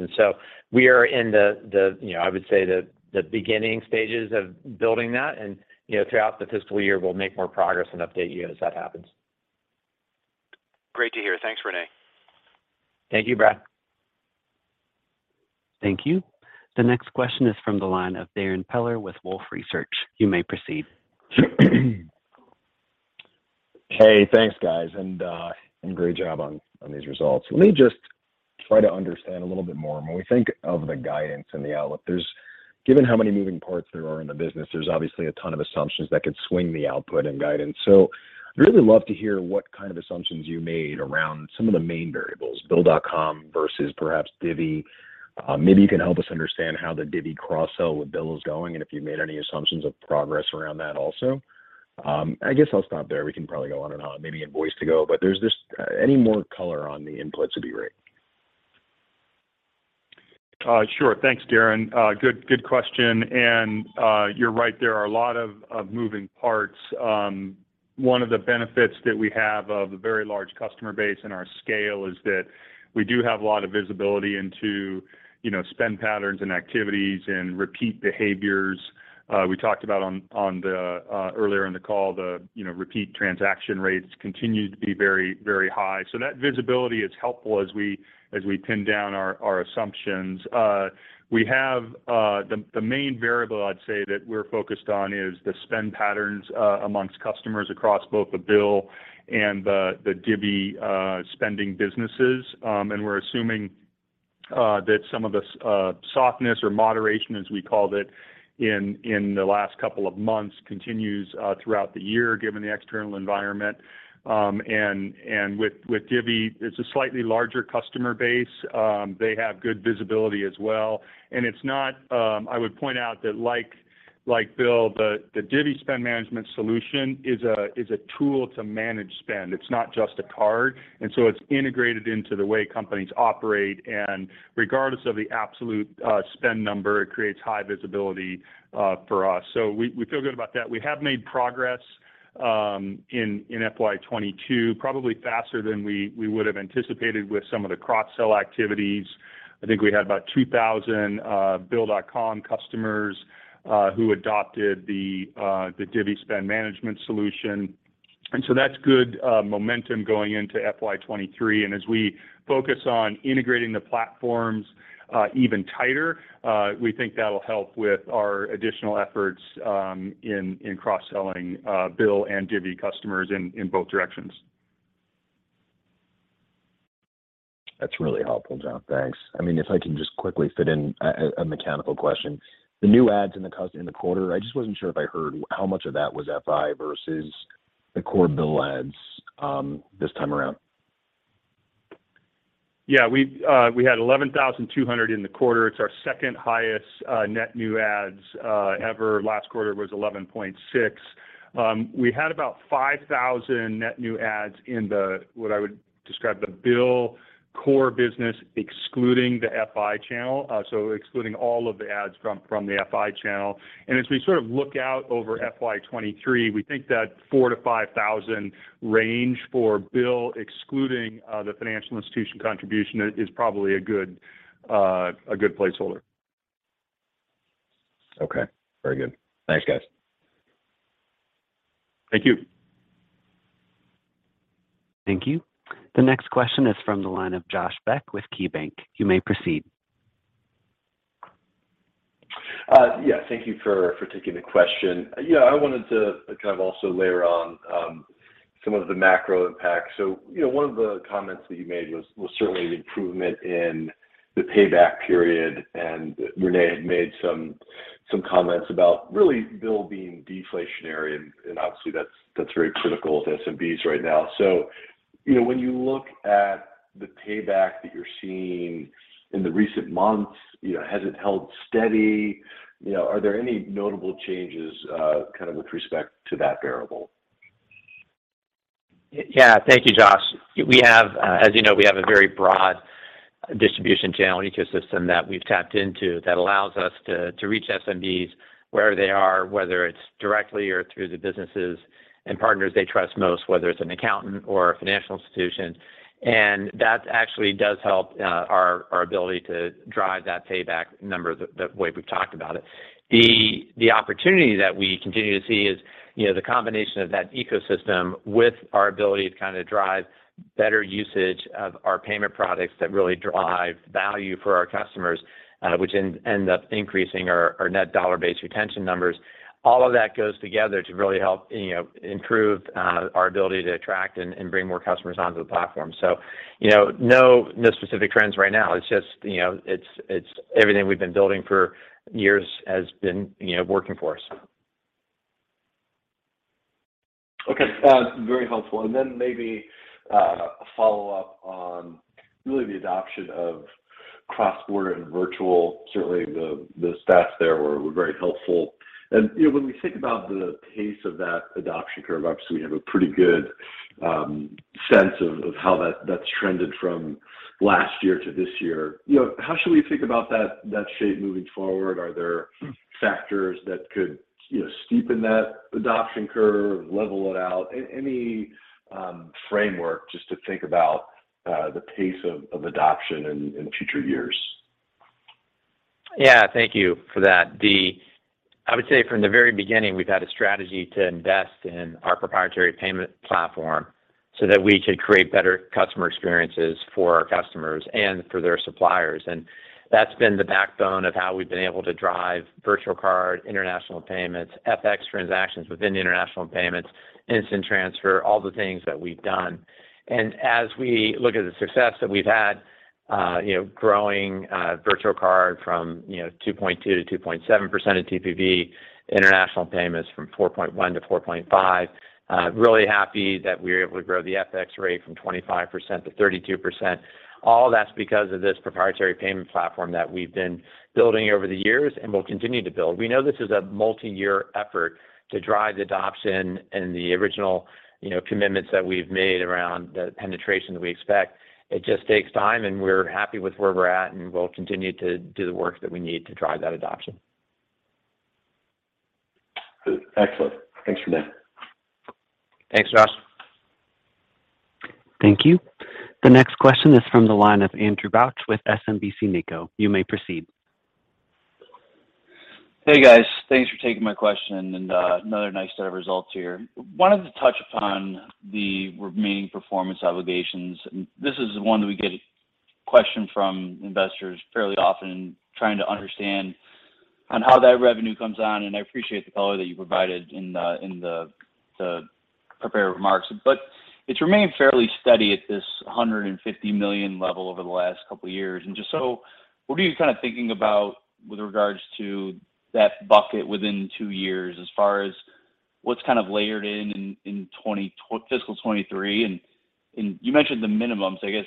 Speaker 3: We are in the, you know, I would say the beginning stages of building that. You know, throughout the fiscal year, we'll make more progress and update you as that happens.
Speaker 6: Great to hear. Thanks, René.
Speaker 3: Thank you, Brad.
Speaker 1: Thank you. The next question is from the line of Darrin Peller with Wolfe Research. You may proceed.
Speaker 7: Hey, thanks, guys. Great job on these results. Let me just try to understand a little bit more. When we think of the guidance and the outlook, there's, given how many moving parts there are in the business, obviously a ton of assumptions that could swing the output and guidance. I really love to hear what kind of assumptions you made around some of the main variables, Bill.com versus perhaps Divvy. Maybe you can help us understand how the Divvy cross-sell with BILL is going and if you've made any assumptions of progress around that also. I guess I'll stop there. We can probably go on and on. Maybe Invoice2go. There's this, any more color on the inputs would be great.
Speaker 4: Sure. Thanks, Darrin. Good question. You're right, there are a lot of moving parts. One of the benefits that we have of a very large customer base and our scale is that we do have a lot of visibility into, you know, spend patterns and activities and repeat behaviors. We talked about earlier in the call, you know, repeat transaction rates continue to be very high. That visibility is helpful as we pin down our assumptions. We have the main variable I'd say that we're focused on is the spend patterns amongst customers across both the BILL and the Divvy spending businesses. We're assuming that some of the softness or moderation, as we called it, in the last couple of months continues throughout the year, given the external environment. With Divvy, it's a slightly larger customer base. They have good visibility as well. It's not. I would point out that like Bill, the Divvy Spend Management solution is a tool to manage spend. It's not just a card. It's integrated into the way companies operate. Regardless of the absolute spend number, it creates high visibility for us. We feel good about that. We have made progress in FY 2022, probably faster than we would have anticipated with some of the cross-sell activities. I think we had about 2,000 Bill.com customers who adopted the Divvy Spend Management solution. That's good momentum going into FY 2023. As we focus on integrating the platforms even tighter, we think that'll help with our additional efforts in cross-selling BILL and Divvy customers in both directions.
Speaker 7: That's really helpful, John. Thanks. I mean, if I can just quickly fit in a mechanical question. The new adds in the quarter, I just wasn't sure if I heard how much of that was FI versus the core BILL adds this time around.
Speaker 4: Yeah. We had 11,200 in the quarter. It's our second-highest net new adds ever. Last quarter was 11,600. We had about 5,000 net new adds in what I would describe the BILL core business excluding the FI channel, so excluding all of the adds from the FI channel. As we sort of look out over FY 2023, we think that 4,000-5,000 range for BILL, excluding the financial institution contribution is probably a good placeholder.
Speaker 7: Okay. Very good. Thanks, guys.
Speaker 4: Thank you.
Speaker 1: Thank you. The next question is from the line of Josh Beck with KeyBanc. You may proceed.
Speaker 8: Yeah, thank you for taking the question. Yeah, I wanted to kind of also layer on some of the macro impact. You know, one of the comments that you made was certainly an improvement in the payback period, and René had made some comments about really BILL being deflationary, and obviously that's very critical to SMBs right now. You know, when you look at the payback that you're seeing in the recent months, you know, has it held steady? You know, are there any notable changes kind of with respect to that variable?
Speaker 3: Yeah. Thank you, Josh. We have, as you know, a very broad distribution channel ecosystem that we've tapped into that allows us to reach SMBs wherever they are, whether it's directly or through the businesses and partners they trust most, whether it's an accountant or a financial institution. That actually does help our ability to drive that payback number the way we've talked about it. The opportunity that we continue to see is, you know, the combination of that ecosystem with our ability to kind of drive better usage of our payment products that really drive value for our customers, which end up increasing our net dollar-based retention numbers. All of that goes together to really help, you know, improve our ability to attract and bring more customers onto the platform. you know, no specific trends right now. It's just, you know, it's everything we've been building for years has been, you know, working for us.
Speaker 8: Okay. Very helpful. Maybe follow up on really the adoption of cross-border and virtual. Certainly, the stats there were very helpful. You know, when we think about the pace of that adoption curve-up, we have a pretty good sense of how that's trended from last year to this year. You know, how should we think about that shape moving forward? Are there factors that could, you know, steepen that adoption curve, level it out? Any framework just to think about the pace of adoption in future years.
Speaker 3: Yeah. Thank you for that. I would say from the very beginning, we've had a strategy to invest in our proprietary payment platform so that we could create better customer experiences for our customers and for their suppliers. That's been the backbone of how we've been able to drive virtual card, international payments, FX transactions within the international payments, instant transfer, all the things that we've done. As we look at the success that we've had, you know, growing virtual card from you know 2.2%-2.7% of TPV, international payments from 4.1%-4.5%. Really happy that we're able to grow the FX rate from 25%-32%. All that's because of this proprietary payment platform that we've been building over the years and will continue to build. We know this is a multi-year effort to drive the adoption and the original, you know, commitments that we've made around the penetration that we expect. It just takes time, and we're happy with where we're at, and we'll continue to do the work that we need to drive that adoption.
Speaker 8: Good. Excellent. Thanks for that.
Speaker 3: Thanks, Josh.
Speaker 1: Thank you. The next question is from the line of Andrew Bauch with SMBC Nikko. You may proceed.
Speaker 9: Hey, guys. Thanks for taking my question, and another nice set of results here. Wanted to touch upon the remaining performance obligations. This is one that we get questions from investors fairly often trying to understand how that revenue comes on, and I appreciate the color that you provided in the prepared remarks. It's remained fairly steady at this $150 million level over the last couple of years. Just, so what are you kinda thinking about with regards to that bucket within two years as far as what's kind of layered in fiscal 2023, and you mentioned the minimums. I guess,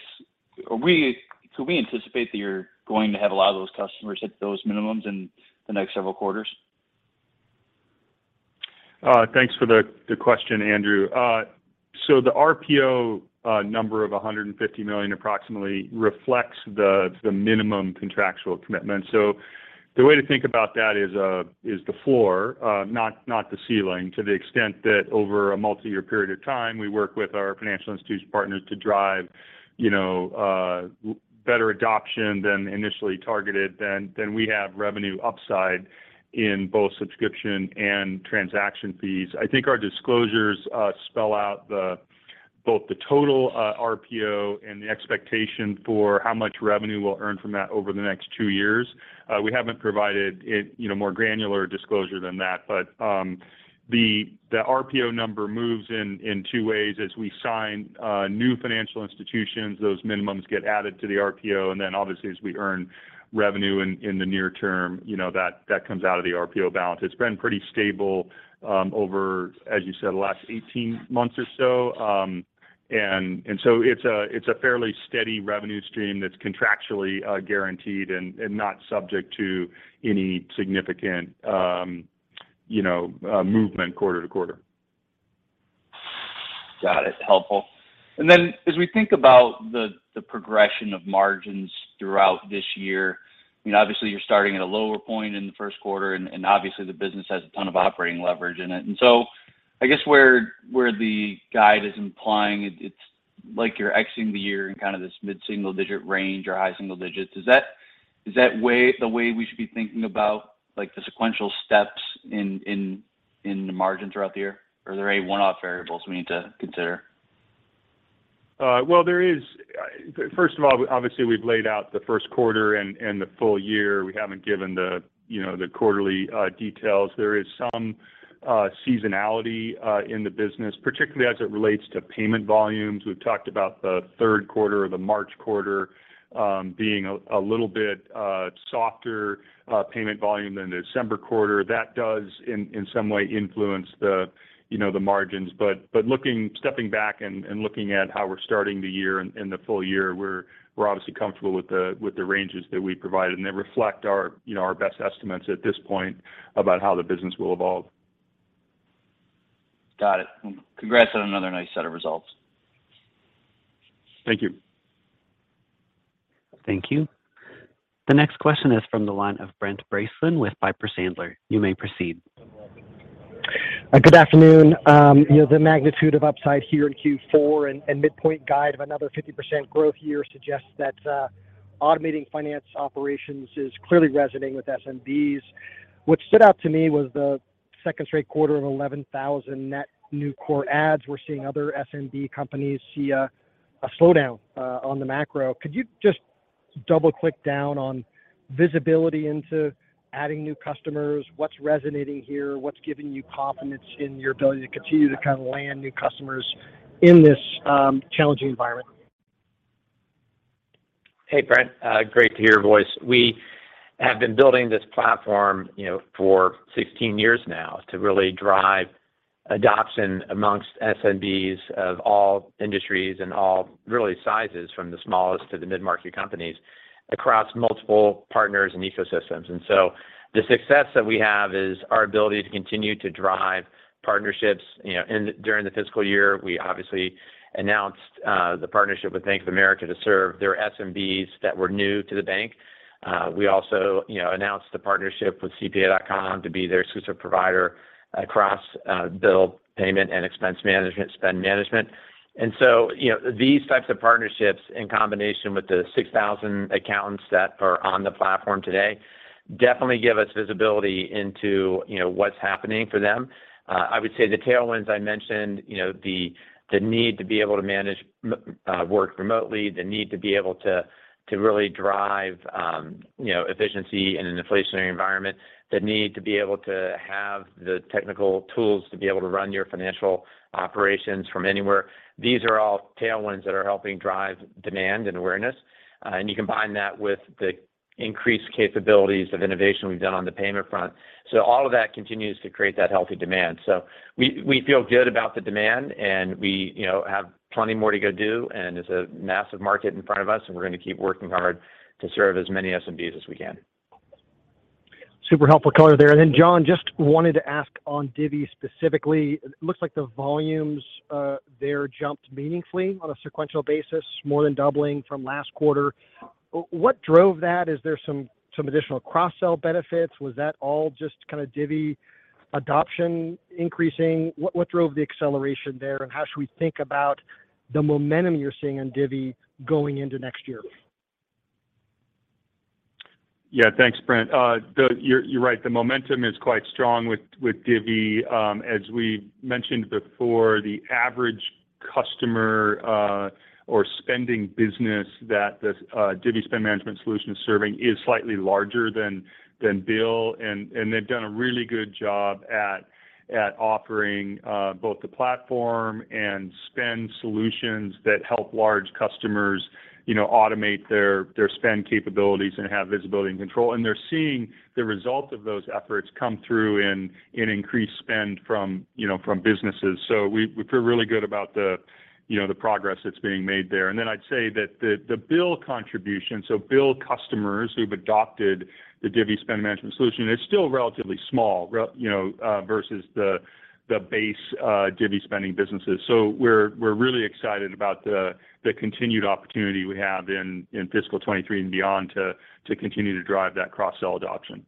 Speaker 9: can we anticipate that you're going to have a lot of those customers hit those minimums in the next several quarters?
Speaker 4: Thanks for the question, Andrew. The RPO number of $150 million approximately reflects the minimum contractual commitment. The way to think about that is the floor, not the ceiling, to the extent that over a multi-year period of time, we work with our financial institution partners to drive, you know, better adoption than initially targeted, then we have revenue upside in both subscription and transaction fees. I think our disclosures spell out the Both the total RPO and the expectation for how much revenue we'll earn from that over the next two years. We haven't provided it, you know, more granular disclosure than that. The RPO number moves in two ways. As we sign new financial institutions, those minimums get added to the RPO. And then obviously, as we earn revenue in the near term, you know, that comes out of the RPO balance. It's been pretty stable over, as you said, the last 18 months or so. It's a fairly steady revenue stream that's contractually guaranteed and not subject to any significant, you know, movement quarter-to-quarter.
Speaker 9: Got it. Helpful. Then as we think about the progression of margins throughout this year, I mean, obviously you're starting at a lower point in the first quarter, and obviously the business has a ton of operating leverage in it. I guess where the guide is implying it's like you're exiting the year in kind of this mid-single digit range or high single digits. Is that the way we should be thinking about like the sequential steps in the margins throughout the year? Or are there any one-off variables we need to consider?
Speaker 4: Well, first of all, obviously we've laid out the first quarter and the full year. We haven't given the, you know, the quarterly details. There is some seasonality in the business, particularly as it relates to payment volumes. We've talked about the third quarter or the March quarter being a little bit softer payment volume than the December quarter. That does in some way influence the, you know, the margins. But stepping back and looking at how we're starting the year and the full year, we're obviously comfortable with the ranges that we provided. They reflect our, you know, our best estimates at this point about how the business will evolve.
Speaker 9: Got it. Congrats on another nice set of results.
Speaker 4: Thank you.
Speaker 1: Thank you. The next question is from the line of Brent Bracelin with Piper Sandler. You may proceed.
Speaker 10: Good afternoon. You know, the magnitude of upside here in Q4 and midpoint guide of another 50% growth year suggests that automating finance operations is clearly resonating with SMBs. What stood out to me was the second straight quarter of 11,000 net new core adds. We're seeing other SMB companies see a slowdown on the macro. Could you just double-click down on visibility into adding new customers? What's resonating here? What's giving you confidence in your ability to continue to kind of land new customers in this challenging environment?
Speaker 3: Hey, Brent, great to hear your voice. We have been building this platform, you know, for 16 years now to really drive adoption among SMBs of all industries and all really sizes from the smallest to the mid-market companies across multiple partners and ecosystems. The success that we have is our ability to continue to drive partnerships. You know, during the fiscal year, we obviously announced the partnership with Bank of America to serve their SMBs that were new to the bank. We also, you know, announced a partnership with CPA.com to be their exclusive provider across bill payment and expense management, spend management. You know, these types of partnerships in combination with the 6,000 accountants that are on the platform today, definitely give us visibility into, you know, what's happening for them. I would say the tailwinds I mentioned, you know, the need to be able to manage work remotely, the need to be able to really drive, you know, efficiency in an inflationary environment. The need to be able to have the technical tools to be able to run your financial operations from anywhere. These are all tailwinds that are helping drive demand and awareness. You combine that with the increased capabilities of innovation we've done on the payment front. All of that continues to create that healthy demand. We feel good about the demand, and we, you know, have plenty more to go do. It's a massive market in front of us, and we're going to keep working hard to serve as many SMBs as we can.
Speaker 10: Super helpful color there. Then John, just wanted to ask on Divvy specifically. It looks like the volumes there jumped meaningfully on a sequential basis, more than doubling from last quarter. What drove that? Is there some additional cross-sell benefits? Was that all just kind of Divvy adoption increasing? What drove the acceleration there? How should we think about the momentum you're seeing on Divvy going into next year?
Speaker 4: Yeah, thanks, Brent. You're right, the momentum is quite strong with Divvy. As we mentioned before, the average customer or spending business that the Divvy spend management solution is serving is slightly larger than Bill. They've done a really good job at offering both the platform and spend solutions that help large customers, you know, automate their spend capabilities and have visibility and control. They're seeing the result of those efforts come through in increased spend from, you know, from businesses. We feel really good about the, you know, the progress that's being made there. Then I'd say that the BILL contribution, so BILL customers who've adopted the Divvy spend management solution, is still relatively small, you know, versus the base Divvy spending businesses. We're really excited about the continued opportunity we have in fiscal 2023 and beyond to continue to drive that cross-sell adoption.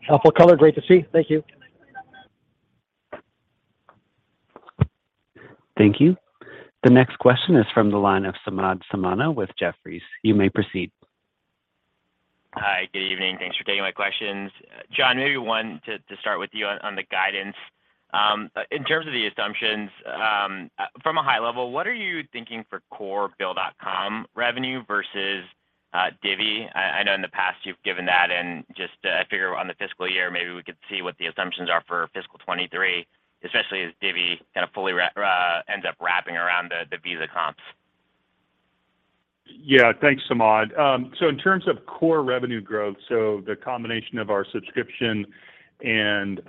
Speaker 10: Helpful color. Great to see. Thank you.
Speaker 1: Thank you. The next question is from the line of Samad Samana with Jefferies. You may proceed.
Speaker 11: Hi, good evening. Thanks for taking my questions. John, maybe one to start with you on the guidance. In terms of the assumptions, from a high level, what are you thinking for core Bill.com revenue versus Divvy? I know in the past you've given that in just a figure on the fiscal year, maybe we could see what the assumptions are for fiscal 2023, especially as Divvy kind of fully ends up wrapping around the Visa comps.
Speaker 4: Yeah. Thanks, Samad. In terms of core revenue growth, the combination of our subscription and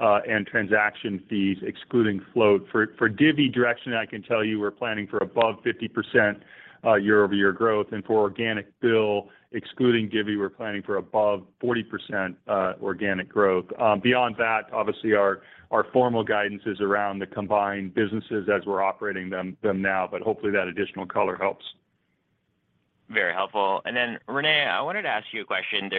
Speaker 4: transaction fees excluding float. For Divvy traction, I can tell you we're planning for above 50% year-over-year growth, and for organic BILL excluding Divvy, we're planning for above 40% organic growth. Beyond that, obviously our formal guidance is around the combined businesses as we're operating them now, but hopefully that additional color helps.
Speaker 11: Very helpful. Then René, I wanted to ask you a question.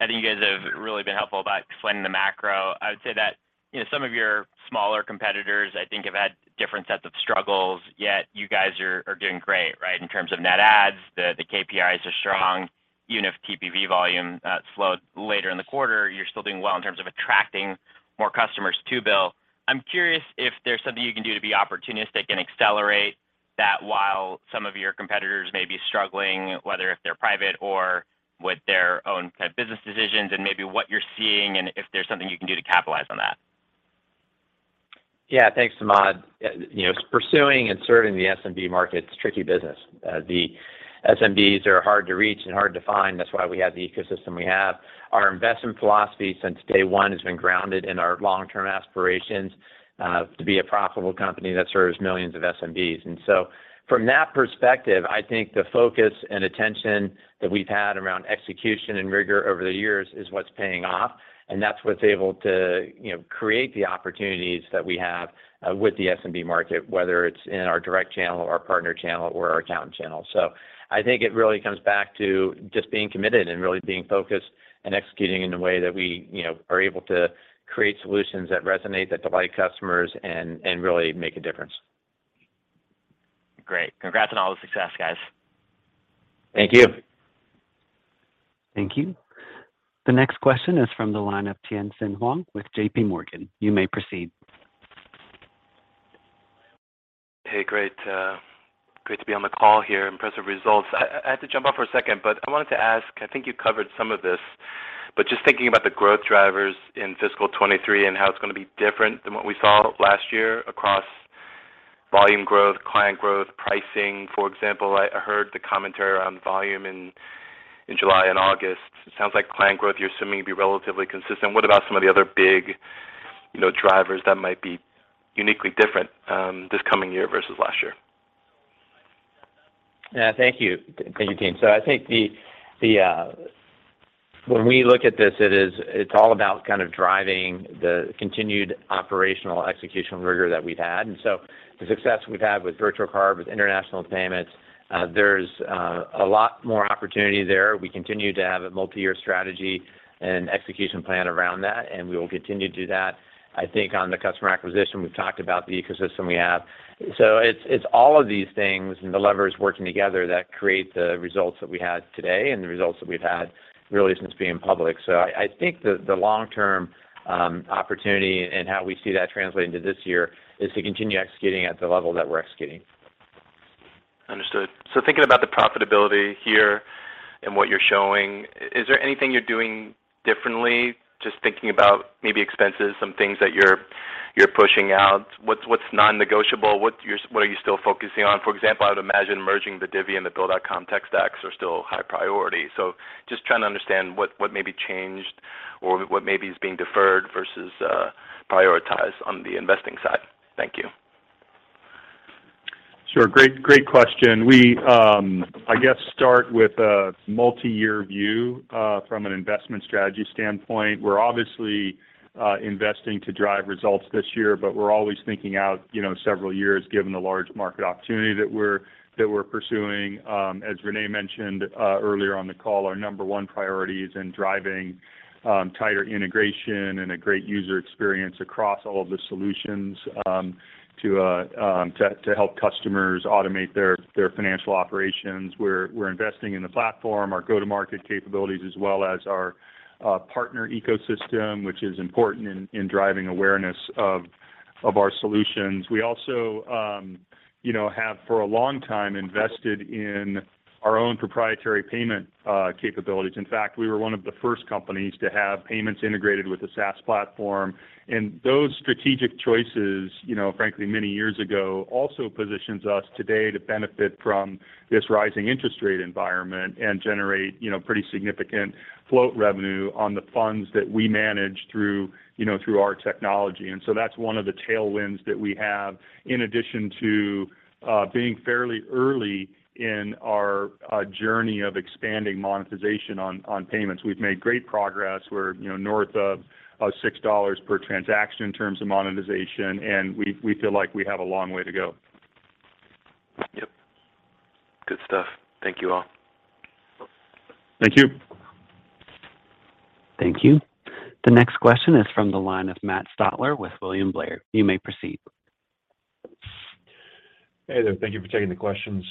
Speaker 11: I think you guys have really been helpful about explaining the macro. I would say that, you know, some of your smaller competitors, I think, have had different sets of struggles, yet you guys are doing great, right? In terms of net adds, the KPIs are strong. Even if TPV volume slowed later in the quarter, you're still doing well in terms of attracting more customers to BILL. I'm curious if there's something you can do to be opportunistic and accelerate that while some of your competitors may be struggling, whether if they're private or with their own kind of business decisions, and maybe what you're seeing and if there's something you can do to capitalize on that.
Speaker 3: Yeah. Thanks, Samad. You know, pursuing and serving the SMB market's tricky business. The SMBs are hard to reach and hard to find. That's why we have the ecosystem we have. Our investment philosophy since day one has been grounded in our long-term aspirations to be a profitable company that serves millions of SMBs. From that perspective, I think the focus and attention that we've had around execution and rigor over the years is what's paying off, and that's what's able to, you know, create the opportunities that we have with the SMB market, whether it's in our direct channel or our partner channel or our account channel. I think it really comes back to just being committed and really being focused and executing in a way that we, you know, are able to create solutions that resonate, that delight customers and really make a difference.
Speaker 11: Great. Congrats on all the success, guys.
Speaker 3: Thank you.
Speaker 1: Thank you. The next question is from the line of Tien-tsin Huang with JPMorgan. You may proceed.
Speaker 12: Hey, great to be on the call here. Impressive results. I had to jump off for a second, but I wanted to ask. I think you covered some of this, but just thinking about the growth drivers in fiscal 2023 and how it's gonna be different than what we saw last year across volume growth, client growth, pricing, for example. I heard the commentary around volume in July and August. It sounds like client growth you're assuming to be relatively consistent. What about some of the other big, you know, drivers that might be uniquely different this coming year versus last year?
Speaker 3: Yeah. Thank you. Thank you, Tien-tsin. I think when we look at this, it is. It's all about kind of driving the continued operational execution rigor that we've had. The success we've had with virtual card, with international payments, there's a lot more opportunity there. We continue to have a multi-year strategy and execution plan around that, and we will continue to do that. I think on the customer acquisition, we've talked about the ecosystem we have. It's all of these things and the levers working together that create the results that we had today and the results that we've had really since being public. I think the long-term opportunity and how we see that translating to this year is to continue executing at the level that we're executing.
Speaker 12: Understood. Thinking about the profitability here and what you're showing, is there anything you're doing differently? Just thinking about maybe expenses, some things that you're pushing out. What's non-negotiable? What are you still focusing on? For example, I would imagine merging the Divvy and the Bill.com tech stacks are still high priority. Just trying to understand what may be changed or what maybe is being deferred versus prioritized on the investing side. Thank you.
Speaker 4: Sure. Great question. We, I guess, start with a multi-year view from an investment strategy standpoint. We're obviously investing to drive results this year, but we're always thinking out, you know, several years, given the large market opportunity that we're pursuing. As René mentioned earlier on the call, our number one priority is in driving tighter integration and a great user experience across all of the solutions to help customers automate their financial operations. We're investing in the platform, our go-to-market capabilities, as well as our partner ecosystem, which is important in driving awareness of our solutions. We also, you know, have for a long time invested in our own proprietary payment capabilities. In fact, we were one of the first companies to have payments integrated with the SaaS platform. Those strategic choices, you know, frankly, many years ago, also positions us today to benefit from this rising interest rate environment and generate, you know, pretty significant float revenue on the funds that we manage through, you know, our technology. That's one of the tailwinds that we have, in addition to being fairly early in our journey of expanding monetization on payments. We've made great progress. We're, you know, north of $6 per transaction in terms of monetization, and we feel like we have a long way to go.
Speaker 12: Yep. Good stuff. Thank you all.
Speaker 4: Thank you.
Speaker 1: Thank you. The next question is from the line of Matt Stotler with William Blair. You may proceed.
Speaker 13: Hey there. Thank you for taking the questions.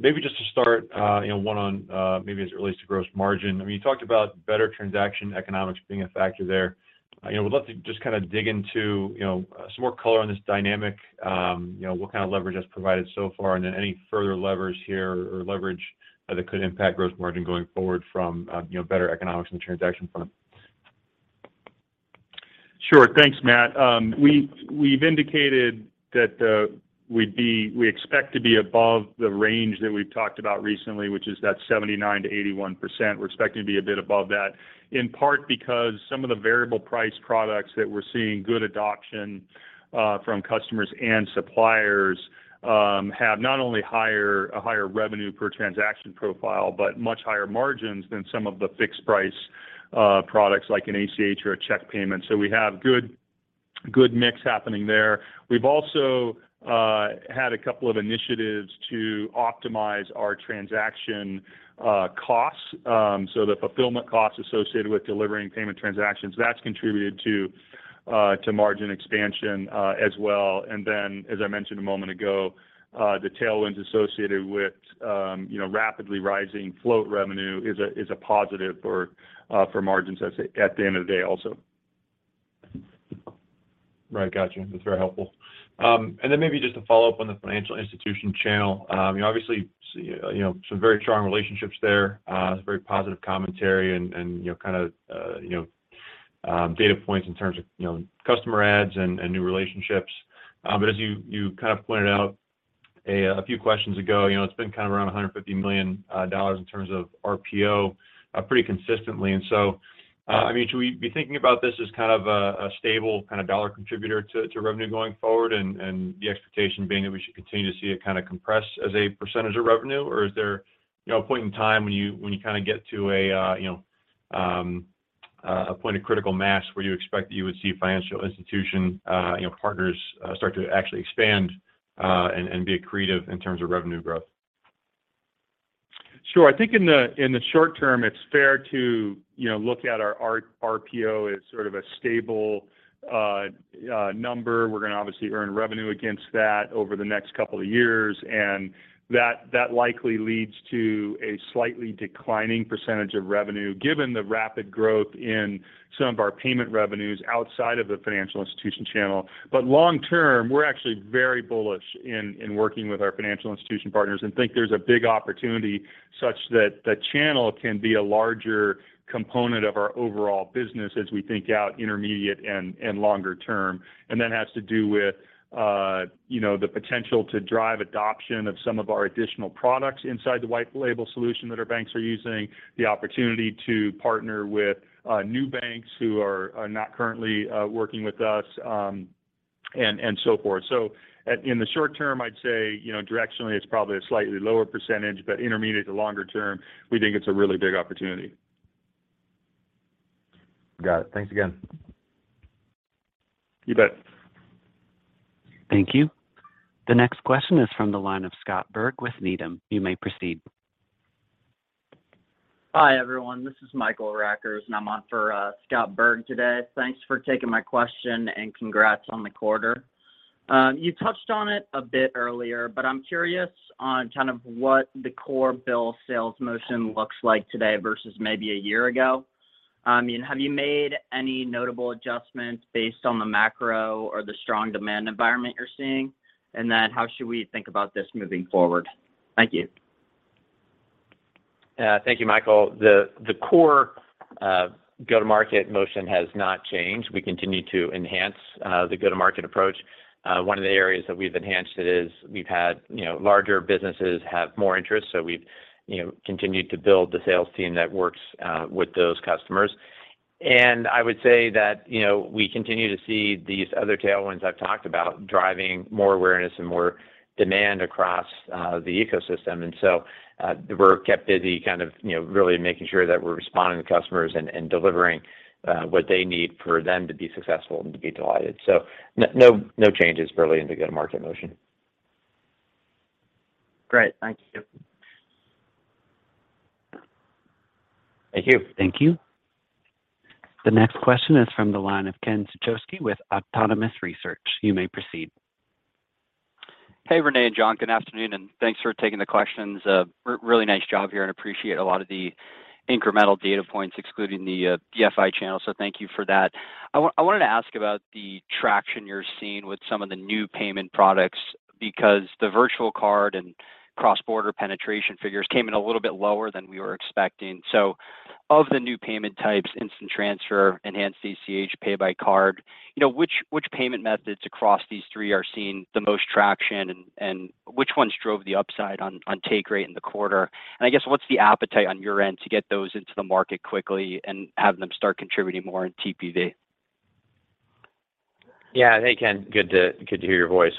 Speaker 13: Maybe just to start, you know, one on maybe as it relates to gross margin. I mean, you talked about better transaction economics being a factor there. I would love to just kinda dig into, you know, some more color on this dynamic, you know, what kind of leverage that's provided so far, and then any further levers here or leverage that could impact gross margin going forward from better economics and transaction front.
Speaker 4: Sure. Thanks, Matt. We've indicated that we expect to be above the range that we've talked about recently, which is 79%-81%. We're expecting to be a bit above that, in part because some of the variable price products that we're seeing good adoption from customers and suppliers have a higher revenue per transaction profile, but much higher margins than some of the fixed price products like an ACH or a check payment. We have good mix happening there. We've also had a couple of initiatives to optimize our transaction costs, so the fulfillment costs associated with delivering payment transactions, that's contributed to margin expansion as well. As I mentioned a moment ago, the tailwinds associated with, you know, rapidly rising float revenue is a positive for margins, I'd say, at the end of the day also.
Speaker 13: Right. Got you. That's very helpful. Maybe just to follow up on the financial institution channel. You obviously, you know, some very strong relationships there, very positive commentary and you know, kind of data points in terms of you know, customer adds and new relationships. As you kind of pointed out a few questions ago, you know, it's been around $150 million in terms of RPO, pretty consistently. I mean, should we be thinking about this as kind of a stable kind of dollar contributor to revenue going forward and the expectation being that we should continue to see it kind of compress as a percentage of revenue? Is there, you know, a point in time when you kinda get to a point of critical mass where you expect that you would see financial institution, you know, partners start to actually expand and be accretive in terms of revenue growth?
Speaker 4: Sure. I think in the short-term, it's fair to, you know, look at our RPO as sort of a stable number. We're gonna obviously earn revenue against that over the next couple of years, and that likely leads to a slightly declining percentage of revenue, given the rapid growth in some of our payment revenues outside of the financial institution channel. But long-term, we're actually very bullish in working with our financial institution partners and think there's a big opportunity such that the channel can be a larger component of our overall business as we think out intermediate and longer term. That has to do with, you know, the potential to drive adoption of some of our additional products inside the white label solution that our banks are using. The opportunity to partner with new banks who are not currently working with us, and so forth. In the short term, I'd say, you know, directionally, it's probably a slightly lower percentage, but intermediate to longer term, we think it's a really big opportunity.
Speaker 13: Got it. Thanks again.
Speaker 4: You bet.
Speaker 1: Thank you. The next question is from the line of Scott Berg with Needham. You may proceed.
Speaker 14: Hi, everyone. This is Michael Rackers, and I'm on for Scott Berg today. Thanks for taking my question, and congrats on the quarter. You touched on it a bit earlier, but I'm curious on kind of what the core BILL sales motion looks like today versus maybe a year ago. Have you made any notable adjustments based on the macro or the strong demand environment you're seeing? How should we think about this moving forward? Thank you.
Speaker 3: Thank you, Michael. The core go-to-market motion has not changed. We continue to enhance the go-to-market approach. One of the areas that we've enhanced it is we've had, you know, larger businesses have more interest. We've, you know, continued to build the sales team that works with those customers. I would say that, you know, we continue to see these other tailwinds I've talked about driving more awareness and more demand across the ecosystem. We're kept busy kind of, you know, really making sure that we're responding to customers and delivering what they need for them to be successful and to be delighted. No changes early in the go-to-market motion.
Speaker 14: Great. Thank you.
Speaker 3: Thank you.
Speaker 1: Thank you. The next question is from the line of Ken Suchoski with Autonomous Research. You may proceed.
Speaker 15: Hey, René and John. Good afternoon, and thanks for taking the questions. Really nice job here and appreciate a lot of the incremental data points excluding the FI channel. Thank you for that. I wanted to ask about the traction you're seeing with some of the new payment products because the virtual card and cross-border penetration figures came in a little bit lower than we were expecting. Of the new payment types, instant transfer, enhanced ACH, Pay By Card, you know, which payment methods across these three are seeing the most traction and which ones drove the upside on take rate in the quarter? I guess, what's the appetite on your end to get those into the market quickly and have them start contributing more in TPV?
Speaker 3: Yeah. Hey, Ken. Good to hear your voice.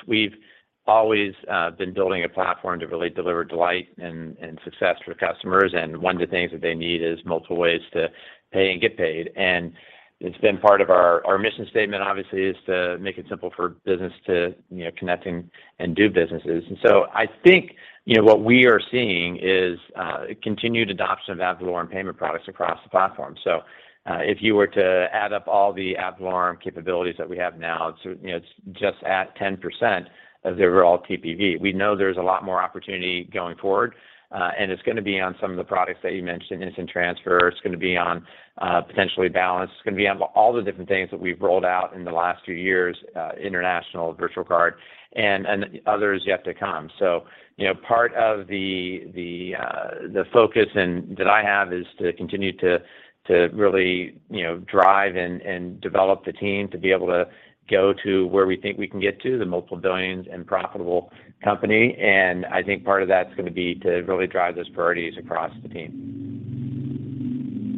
Speaker 3: We've always been building a platform to really deliver delight and success for customers, and one of the things that they need is multiple ways to pay and get paid. It's been part of our mission statement, obviously, is to make it simple for business to, you know, connect and do businesses. I think, you know, what we are seeing is a continued adoption of Ad Valorem payment products across the platform. If you were to add up all the Ad Valorem capabilities that we have now, it's, you know, it's just at 10% of the overall TPV. We know there's a lot more opportunity going forward, and it's gonna be on some of the products that you mentioned, Instant Transfer. It's gonna be on, potentially, balance. It's gonna be on all the different things that we've rolled out in the last two years, international virtual card and others yet to come. You know, part of the focus and that I have is to continue to really drive and develop the team to be able to go to where we think we can get to, the multiple billions and profitable company. I think part of that's gonna be to really drive those priorities across the team.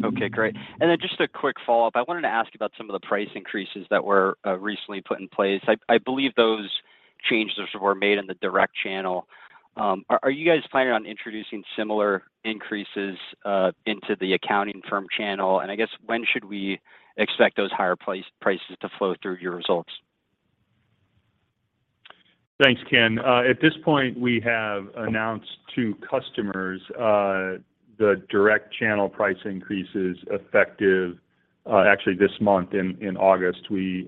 Speaker 15: Okay. Great. Just a quick follow-up. I wanted to ask about some of the price increases that were recently put in place. I believe those changes were made in the direct channel. Are you guys planning on introducing similar increases into the accounting firm channel? I guess when should we expect those higher prices to flow through your results?
Speaker 4: Thanks, Ken. At this point, we have announced to customers the direct channel price increases effective actually this month, in August. We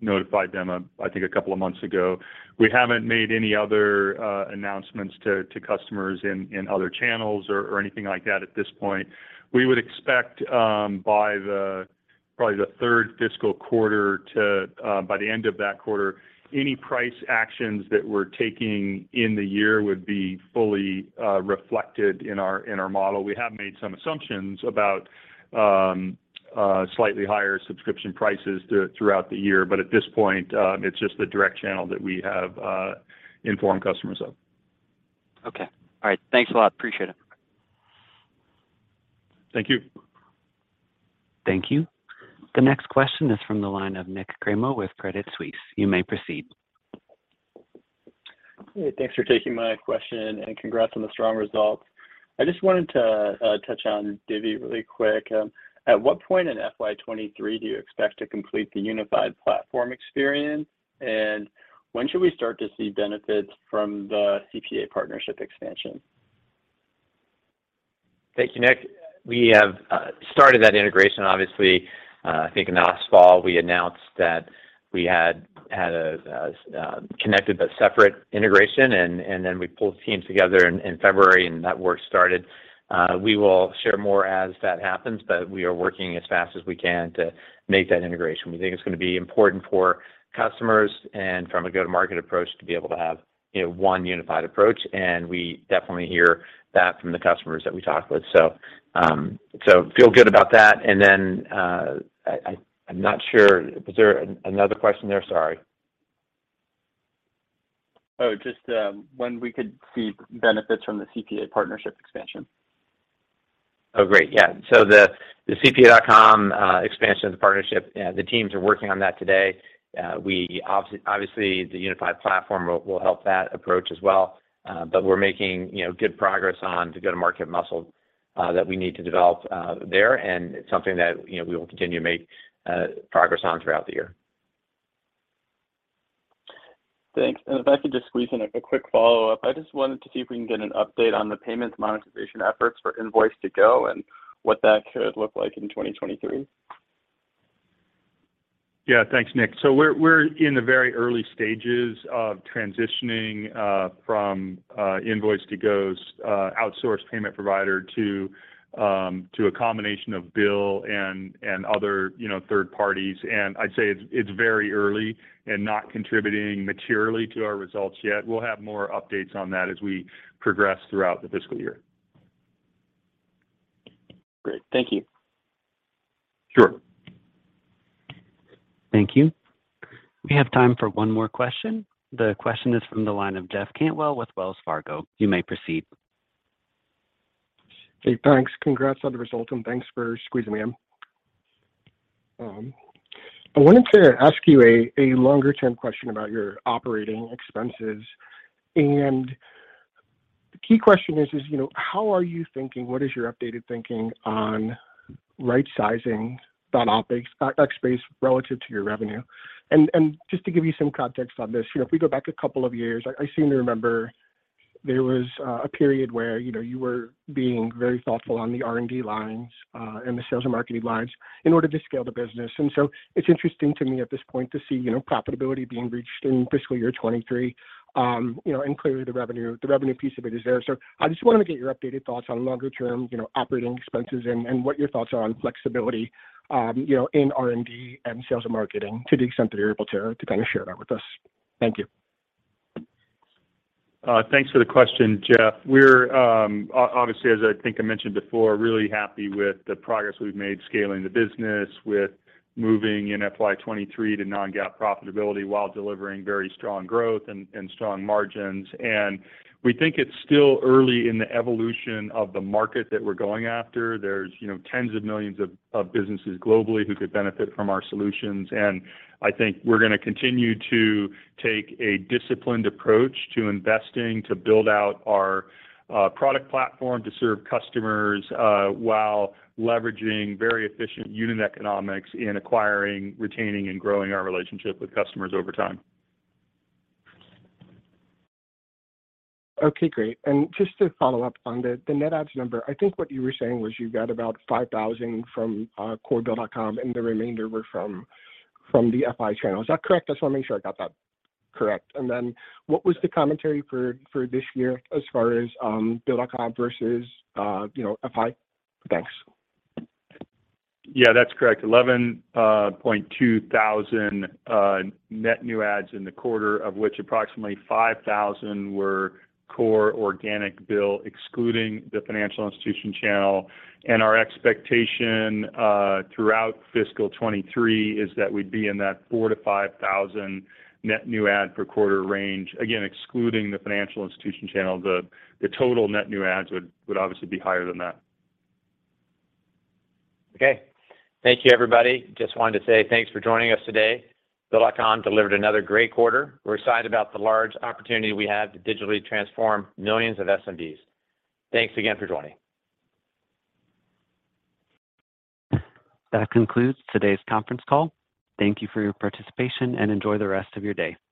Speaker 4: notified them a couple of months ago, I think. We haven't made any other announcements to customers in other channels or anything like that at this point. We would expect by probably the third fiscal quarter to by the end of that quarter, any price actions that we're taking in the year would be fully reflected in our model. We have made some assumptions about slightly higher subscription prices throughout the year, but at this point, it's just the direct channel that we have informed customers of.
Speaker 15: Okay. All right. Thanks a lot. Appreciate it.
Speaker 4: Thank you.
Speaker 1: Thank you. The next question is from the line of Nik Cremo with Credit Suisse. You may proceed.
Speaker 16: Hey, thanks for taking my question, and congrats on the strong results. I just wanted to touch on Divvy really quick. At what point in FY 2023 do you expect to complete the unified platform experience? And when should we start to see benefits from the CPA partnership expansion?
Speaker 3: Thank you, Nik. We have started that integration, obviously. I think in the last fall, we announced that we had a connected but separate integration and then we pulled teams together in February, and that work started. We will share more as that happens, but we are working as fast as we can to make that integration. We think it's gonna be important for customers and from a go-to-market approach to be able to have, you know, one unified approach, and we definitely hear that from the customers that we talk with. Feel good about that. I'm not sure. Was there another question there? Sorry.
Speaker 16: Just when we could see benefits from the CPA partnership expansion.
Speaker 3: Oh, great. Yeah. The CPA.com expansion of the partnership, the teams are working on that today. We obviously, the unified platform will help that approach as well. But we're making, you know, good progress on the go-to-market muscle that we need to develop there. It's something that, you know, we will continue to make progress on throughout the year.
Speaker 16: Thanks. If I could just squeeze in a quick follow-up. I just wanted to see if we can get an update on the payments monetization efforts for Invoice2go and what that could look like in 2023.
Speaker 4: Yeah. Thanks, Nik. We're in the very early stages of transitioning from Invoice2go's outsource payment provider to a combination of BILL and other, you know, third parties. I'd say it's very early and not contributing materially to our results yet. We'll have more updates on that as we progress throughout the fiscal year.
Speaker 16: Great. Thank you.
Speaker 4: Sure.
Speaker 1: Thank you. We have time for one more question. The question is from the line of Jeff Cantwell with Wells Fargo. You may proceed.
Speaker 17: Hey, thanks. Congrats on the results, and thanks for squeezing me in. I wanted to ask you a longer term question about your operating expenses. The key question is, you know, how are you thinking, what is your updated thinking on right-sizing that OpEx, that space relative to your revenue? Just to give you some context on this, you know, if we go back a couple of years, I seem to remember there was a period where, you know, you were being very thoughtful on the R&D lines and the sales and marketing lines in order to scale the business. It's interesting to me at this point to see, you know, profitability being reached in fiscal year 2023. You know, clearly the revenue, the revenue piece of it is there. I just wanted to get your updated thoughts on longer term, you know, operating expenses and what your thoughts are on flexibility, you know, in R&D and sales and marketing to the extent that you're able to kind of share that with us. Thank you.
Speaker 4: Thanks for the question, Jeff. We're obviously, as I think I mentioned before, really happy with the progress we've made scaling the business, with moving in FY 2023 to non-GAAP profitability while delivering very strong growth and strong margins. We think it's still early in the evolution of the market that we're going after. There's, you know, tens of millions of businesses globally who could benefit from our solutions, and I think we're gonna continue to take a disciplined approach to investing to build out our product platform to serve customers while leveraging very efficient unit economics in acquiring, retaining, and growing our relationship with customers over time.
Speaker 17: Okay, great. Just to follow up on the net adds number, I think what you were saying was you got about 5,000 from core Bill.com and the remainder were from the FI channel. Is that correct? I just wanna make sure I got that correct. Then what was the commentary for this year as far as Bill.com versus, you know, FI? Thanks.
Speaker 4: Yeah, that's correct. 11,200 net new adds in the quarter, of which approximately 5,000 were core organic BILL, excluding the financial institution channel. Our expectation throughout fiscal 2023 is that we'd be in that 4,000-5,000 net new add per quarter range, again, excluding the financial institution channel. The total net new adds would obviously be higher than that.
Speaker 3: Okay. Thank you, everybody. Just wanted to say thanks for joining us today. Bill.com delivered another great quarter. We're excited about the large opportunity we have to digitally transform millions of SMBs. Thanks again for joining.
Speaker 1: That concludes today's conference call. Thank you for your participation, and enjoy the rest of your day.